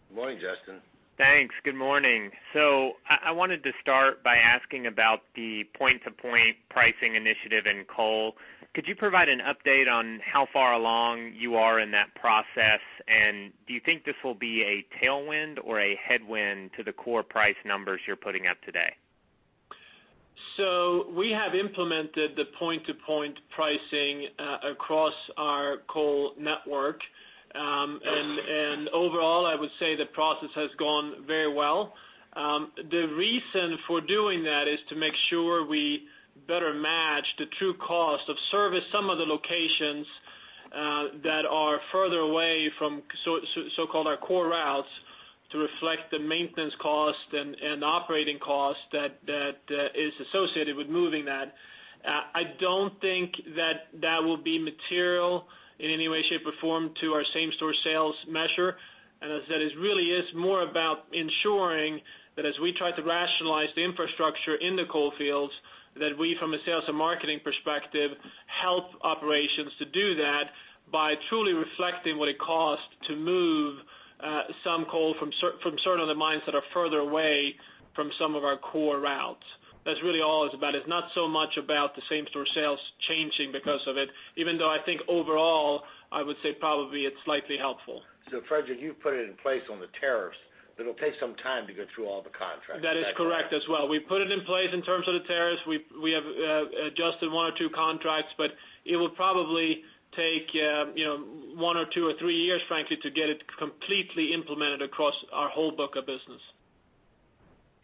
Good morning, Justin. Thanks. Good morning. So I wanted to start by asking about the Point-to-Point Pricing initiative in coal. Could you provide an update on how far along you are in that process? And do you think this will be a tailwind or a headwind to the core price numbers you're putting out today? So we have implemented the point-to-point pricing across our coal network. Overall, I would say the process has gone very well. The reason for doing that is to make sure we better match the true cost of service some of the locations that are further away from so-called our core routes, to reflect the maintenance cost and operating costs that is associated with moving that. I don't think that will be material in any way, shape, or form to our same-store sales measure. As I said, it really is more about ensuring that as we try to rationalize the infrastructure in the coal fields, that we, from a sales and marketing perspective, help operations to do that by truly reflecting what it costs to move some coal from certain other mines that are further away from some of our core routes. That's really all it's about. It's not so much about the same-store sales changing because of it, even though I think overall, I would say probably it's slightly helpful. Fredrik, you've put it in place on the tariffs, but it'll take some time to go through all the contracts. That is correct as well. We put it in place in terms of the tariffs. We have adjusted one or two contracts, but it will probably take, you know, one or two or three years, frankly, to get it completely implemented across our whole book of business.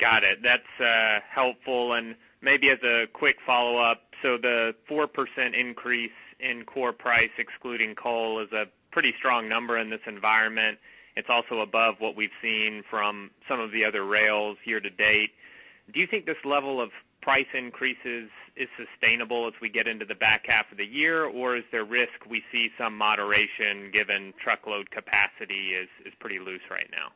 Got it. That's helpful. And maybe as a quick follow-up, so the 4% increase in core price, excluding coal, is a pretty strong number in this environment. It's also above what we've seen from some of the other rails here to date. Do you think this level of price increases is sustainable as we get into the back half of the year, or is there risk we see some moderation, given truckload capacity is pretty loose right now?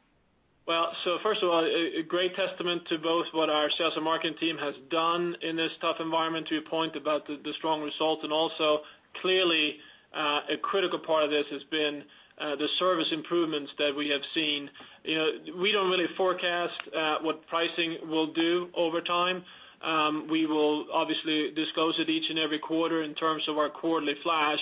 Well, so first of all, a great testament to both what our sales and marketing team has done in this tough environment, to your point about the strong results, and also, clearly, a critical part of this has been the service improvements that we have seen. You know, we don't really forecast what pricing will do over time. We will obviously disclose it each and every quarter in terms of our quarterly flash.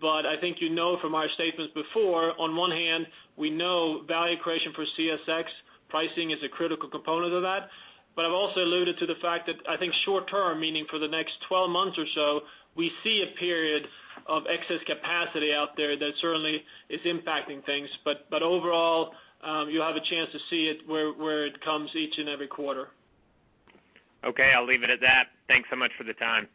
But I think you know from our statements before, on one hand, we know value creation for CSX, pricing is a critical component of that. But I've also alluded to the fact that I think short term, meaning for the next 12 months or so, we see a period of excess capacity out there that certainly is impacting things. But overall, you'll have a chance to see it where it comes each and every quarter. Okay, I'll leave it at that. Thanks so much for the time.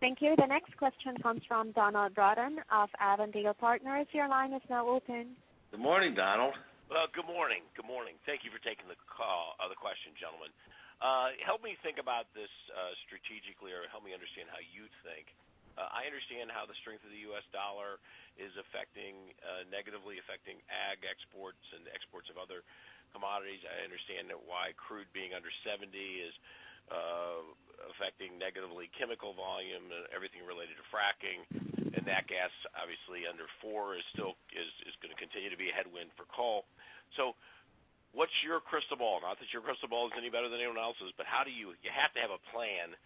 Thank you. The next question comes from Donald Broughton of Avondale Partners. Your line is now open. Good morning, Donald. Well, good morning. Good morning. Thank you for taking the call, or the question, gentlemen. Help me think about this strategically, or help me understand how you think. I understand how the strength of the U.S. dollar is affecting negatively ag exports and the exports of other commodities. I understand that's why crude being under $70 is affecting negatively chemical volume and everything related to fracking. And nat gas, obviously under 4, is gonna continue to be a headwind for coal. So what's your crystal ball? Not that your crystal ball is any better than anyone else's, but how do you. You have to have a plan.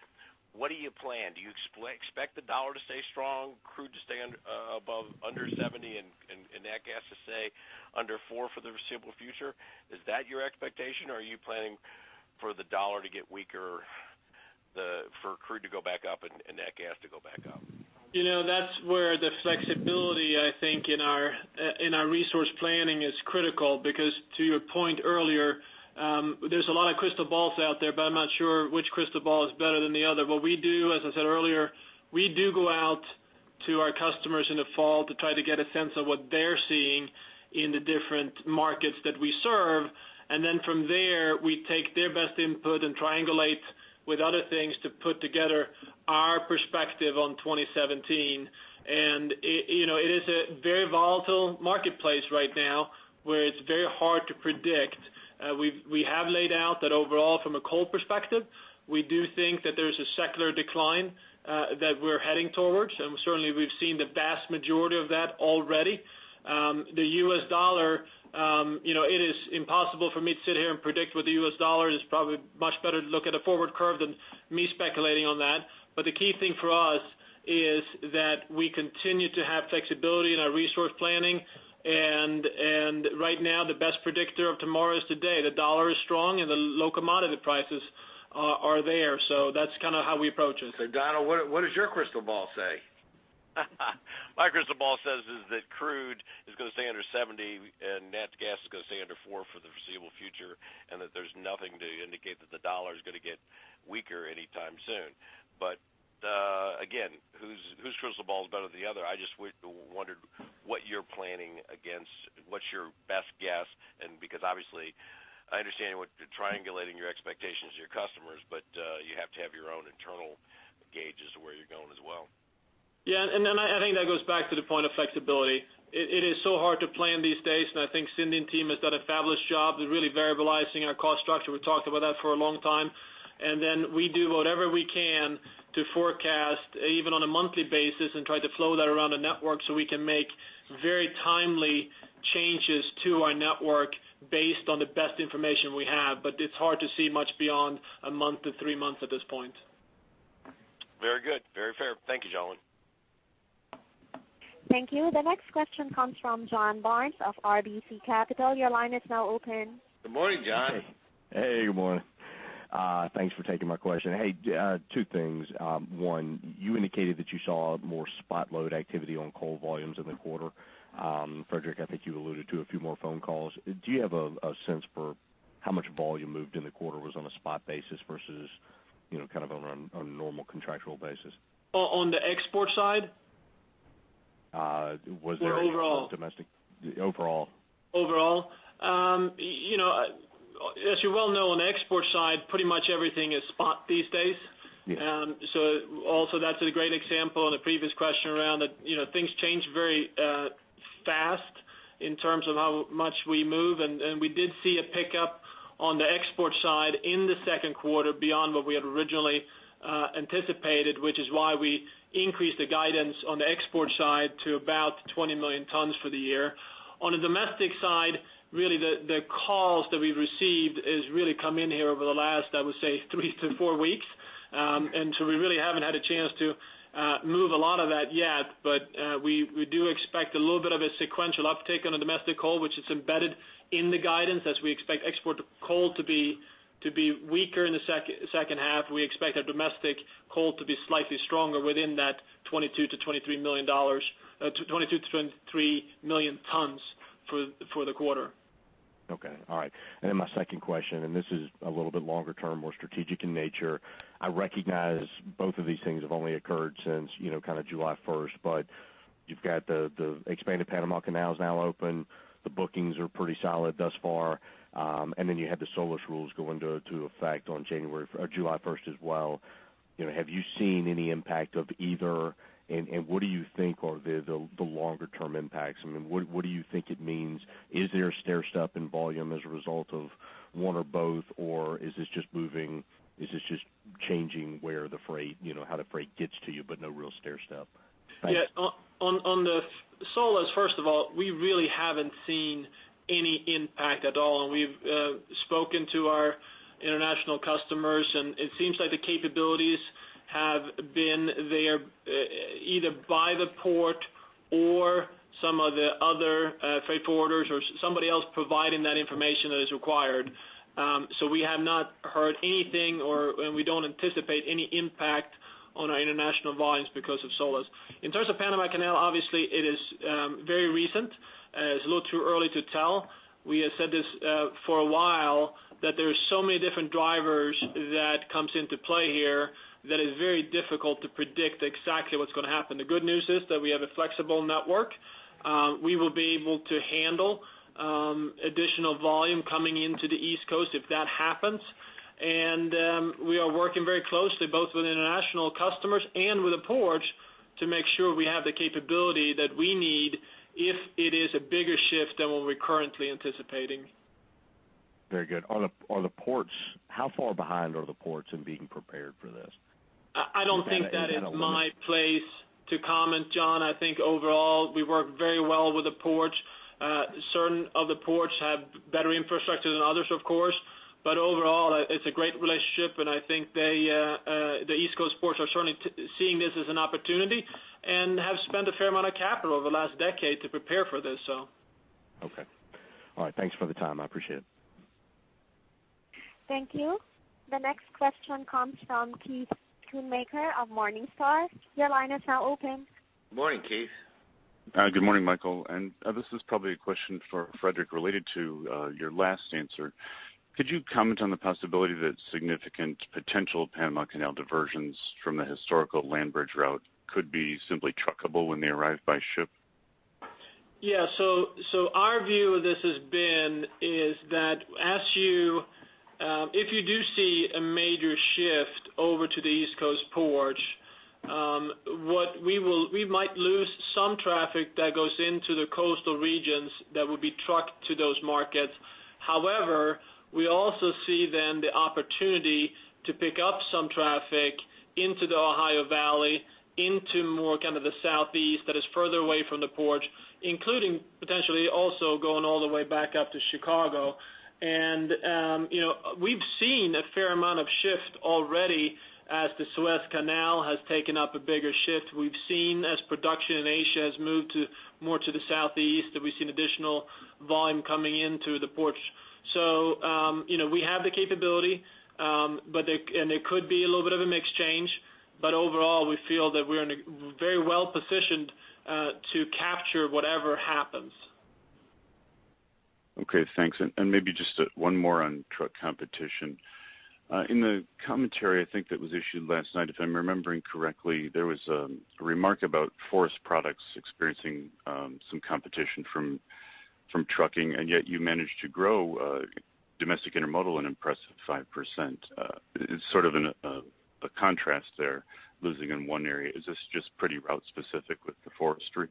What do you plan? Do you expect the dollar to stay strong, crude to stay under $70, and nat gas to stay under four for the foreseeable future? Is that your expectation, or are you planning for the dollar to get weaker, for crude to go back up and nat gas to go back up? You know, that's where the flexibility, I think, in our resource planning is critical because, to your point earlier, there's a lot of crystal balls out there, but I'm not sure which crystal ball is better than the other. What we do, as I said earlier, we do go out to our customers in the fall to try to get a sense of what they're seeing in the different markets that we serve. And then from there, we take their best input and triangulate with other things to put together our perspective on 2017. And it, you know, it is a very volatile marketplace right now, where it's very hard to predict. We have laid out that overall, from a coal perspective, we do think that there's a secular decline that we're heading towards, and certainly we've seen the vast majority of that already. The U.S. dollar, you know, it is impossible for me to sit here and predict what the U.S. dollar is. Probably much better to look at a forward curve than me speculating on that. But the key thing for us is that we continue to have flexibility in our resource planning, and right now, the best predictor of tomorrow is today. The dollar is strong, and the low commodity prices are there. So that's kind of how we approach it. So Donald, what, what does your crystal ball say? My crystal ball says that crude is gonna stay under $70, and nat gas is gonna stay under $4 for the foreseeable future, and that there's nothing to indicate that the US dollar is gonna get weaker anytime soon. But, again, whose, whose crystal ball is better than the other? I just wondered what you're planning against, what's your best guess, and because obviously, I understand what, triangulating your expectations to your customers, but, you have to have your own internal gauges of where you're going as well. Yeah, and then I, I think that goes back to the point of flexibility. It, it is so hard to plan these days, and I think Cindy and team has done a fabulous job with really variabilizing our cost structure. We've talked about that for a long time. And then we do whatever we can to forecast, even on a monthly basis, and try to flow that around the network, so we can make very timely changes to our network based on the best information we have. But it's hard to see much beyond a month to three months at this point. Very good. Very fair. Thank you, gentlemen. Thank you. The next question comes from John Barnes of RBC Capital. Your line is now open. Good morning, John. Hey, good morning. Thanks for taking my question. Hey, two things. One, you indicated that you saw more spot load activity on coal volumes in the quarter. Fredrik, I think you alluded to a few more phone calls. Do you have a sense for how much volume moved in the quarter was on a spot basis versus, you know, kind of on a normal contractual basis? Oh, on the export side? Was there- Or overall? - domestic. Overall. Overall. You know, as you well know, on the export side, pretty much everything is spot these days. Yeah. So also, that's a great example in the previous question around that, you know, things change very fast in terms of how much we move. And we did see a pickup on the export side in the second quarter beyond what we had originally anticipated, which is why we increased the guidance on the export side to about 20 million tons for the year. On the domestic side, really the calls that we've received has really come in here over the last, I would say, 3-4 weeks. And so we really haven't had a chance to move a lot of that yet, but we do expect a little bit of a sequential uptick on the domestic coal, which is embedded in the guidance. As we expect export coal to be weaker in the second half, we expect our domestic coal to be slightly stronger within that $22 million-$23 million, 22 million-23 million tons for the quarter. Okay. All right. And then my second question, and this is a little bit longer term, more strategic in nature. I recognize both of these things have only occurred since, you know, kind of July first, but... You've got the, the expanded Panama Canal is now open. The bookings are pretty solid thus far, and then you had the SOLAS rules go into, to effect on January, or July first as well. You know, have you seen any impact of either, and, and what do you think are the, the, the longer term impacts? I mean, what, what do you think it means? Is there a stairstep in volume as a result of one or both, or is this just moving, is this just changing where the freight, you know, how the freight gets to you, but no real stairstep? Yeah. On the SOLAS, first of all, we really haven't seen any impact at all. And we've spoken to our international customers, and it seems like the capabilities have been there, either by the port or some of the other freight forwarders or somebody else providing that information that is required. So we have not heard anything or, and we don't anticipate any impact on our international volumes because of SOLAS. In terms of Panama Canal, obviously, it is very recent, and it's a little too early to tell. We have said this for a while, that there are so many different drivers that comes into play here that is very difficult to predict exactly what's gonna happen. The good news is that we have a flexible network. We will be able to handle additional volume coming into the East Coast if that happens. We are working very closely, both with international customers and with the ports, to make sure we have the capability that we need if it is a bigger shift than what we're currently anticipating. Very good. Are the ports—how far behind are the ports in being prepared for this? I don't think that it's my place to comment, John. I think overall, we work very well with the ports. Certain of the ports have better infrastructure than others, of course, but overall, it's a great relationship, and I think they, the East Coast ports are certainly seeing this as an opportunity and have spent a fair amount of capital over the last decade to prepare for this, so. Okay. All right, thanks for the time. I appreciate it. Thank you. The next question comes from Keith Schoonmaker of Morningstar. Your line is now open. Good morning, Keith. Good morning, Michael. And, this is probably a question for Fredrik related to your last answer. Could you comment on the possibility that significant potential Panama Canal diversions from the historical land bridge route could be simply truckable when they arrive by ship? Yeah, so, so our view of this has been, is that as you, if you do see a major shift over to the East Coast ports, what we will, we might lose some traffic that goes into the coastal regions that would be trucked to those markets. However, we also see then the opportunity to pick up some traffic into the Ohio Valley, into more kind of the Southeast that is further away from the ports, including potentially also going all the way back up to Chicago. And, you know, we've seen a fair amount of shift already as the Suez Canal has taken up a bigger shift. We've seen, as production in Asia has moved to more to the Southeast, that we've seen additional volume coming into the ports. So, you know, we have the capability, but it, and it could be a little bit of a mixed change, but overall, we feel that we are very well positioned to capture whatever happens. Okay, thanks. Maybe just one more on truck competition. In the commentary, I think that was issued last night, if I'm remembering correctly, there was a remark about forest products experiencing some competition from trucking, and yet you managed to grow domestic intermodal an impressive 5%. It's sort of a contrast there, losing in one area. Is this just pretty route specific with the forestry?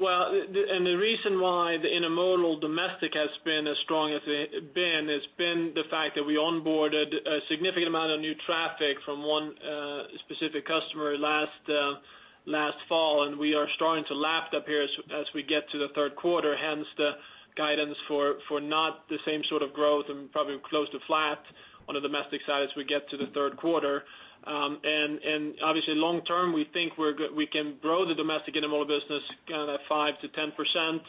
Well, the reason why the intermodal domestic has been as strong as it has been has been the fact that we onboarded a significant amount of new traffic from one specific customer last fall, and we are starting to lap up here as we get to the third quarter, hence the guidance for not the same sort of growth and probably close to flat on the domestic side as we get to the third quarter. And obviously, long term, we think we're we can grow the domestic intermodal business kind of 5%-10%.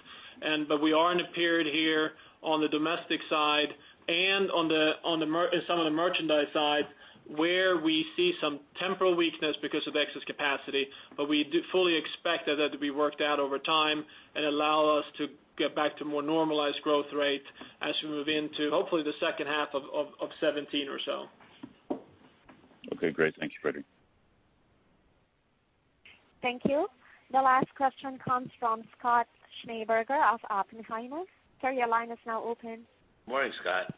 But we are in a period here on the domestic side and on the merchandise side, where we see some temporary weakness because of excess capacity, but we do fully expect that to be worked out over time and allow us to get back to more normalized growth rate as we move into, hopefully, the second half of 2017 or so. Okay, great. Thank you, Fredrik. Thank you. The last question comes from Scott Schneeberger of Oppenheimer. Sir, your line is now open. Morning, Scott.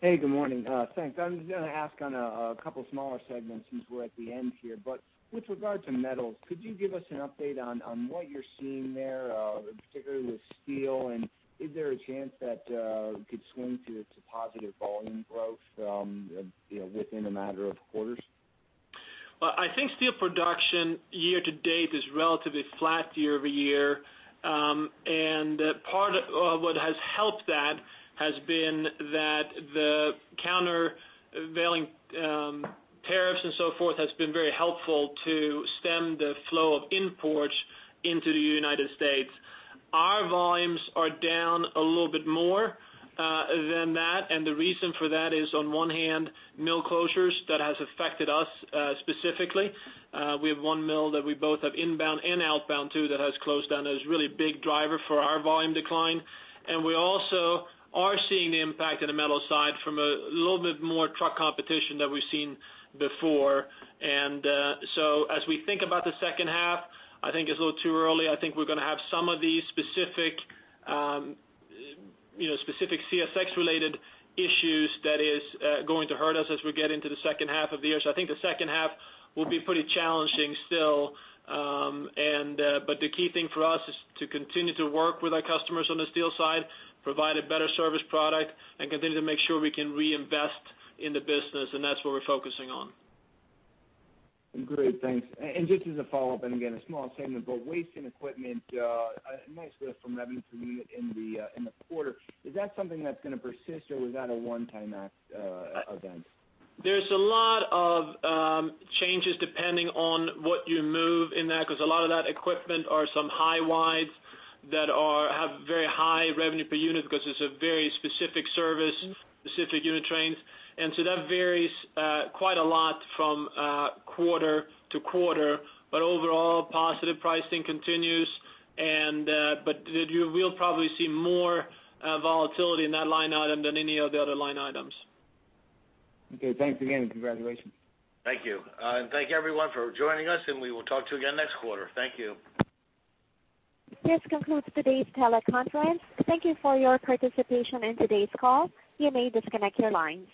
Hey, good morning, thanks. I was gonna ask on a couple smaller segments since we're at the end here, but with regard to metals, could you give us an update on what you're seeing there, particularly with steel, and is there a chance that could swing to positive volume growth, you know, within a matter of quarters? Well, I think steel production year to date is relatively flat year over year. Part of what has helped that has been that the countervailing tariffs and so forth has been very helpful to stem the flow of imports into the United States. Our volumes are down a little bit more than that, and the reason for that is, on one hand, mill closures that has affected us specifically. We have one mill that we both have inbound and outbound to, that has closed down, and it's really a big driver for our volume decline. We also are seeing the impact on the metal side from a little bit more truck competition than we've seen before. So as we think about the second half, I think it's a little too early. I think we're gonna have some of these specific, you know, specific CSX-related issues that is going to hurt us as we get into the second half of the year. So I think the second half will be pretty challenging still. But the key thing for us is to continue to work with our customers on the steel side, provide a better service product, and continue to make sure we can reinvest in the business, and that's what we're focusing on. Great, thanks. And, and just as a follow-up, and again, a small segment, but wasting equipment, a nice lift from Revenue Per Unit in the quarter. Is that something that's gonna persist, or was that a one-time act, event? There's a lot of changes, depending on what you move in that, because a lot of that equipment are some high wides that are, have very high revenue per unit because it's a very specific service, specific unit trains. And so that varies quite a lot from quarter to quarter, but overall, positive pricing continues and, but you will probably see more volatility in that line item than any of the other line items. Okay, thanks again, and congratulations. Thank you. Thank everyone for joining us, and we will talk to you again next quarter. Thank you. This concludes today's teleconference. Thank you for your participation in today's call. You may disconnect your lines.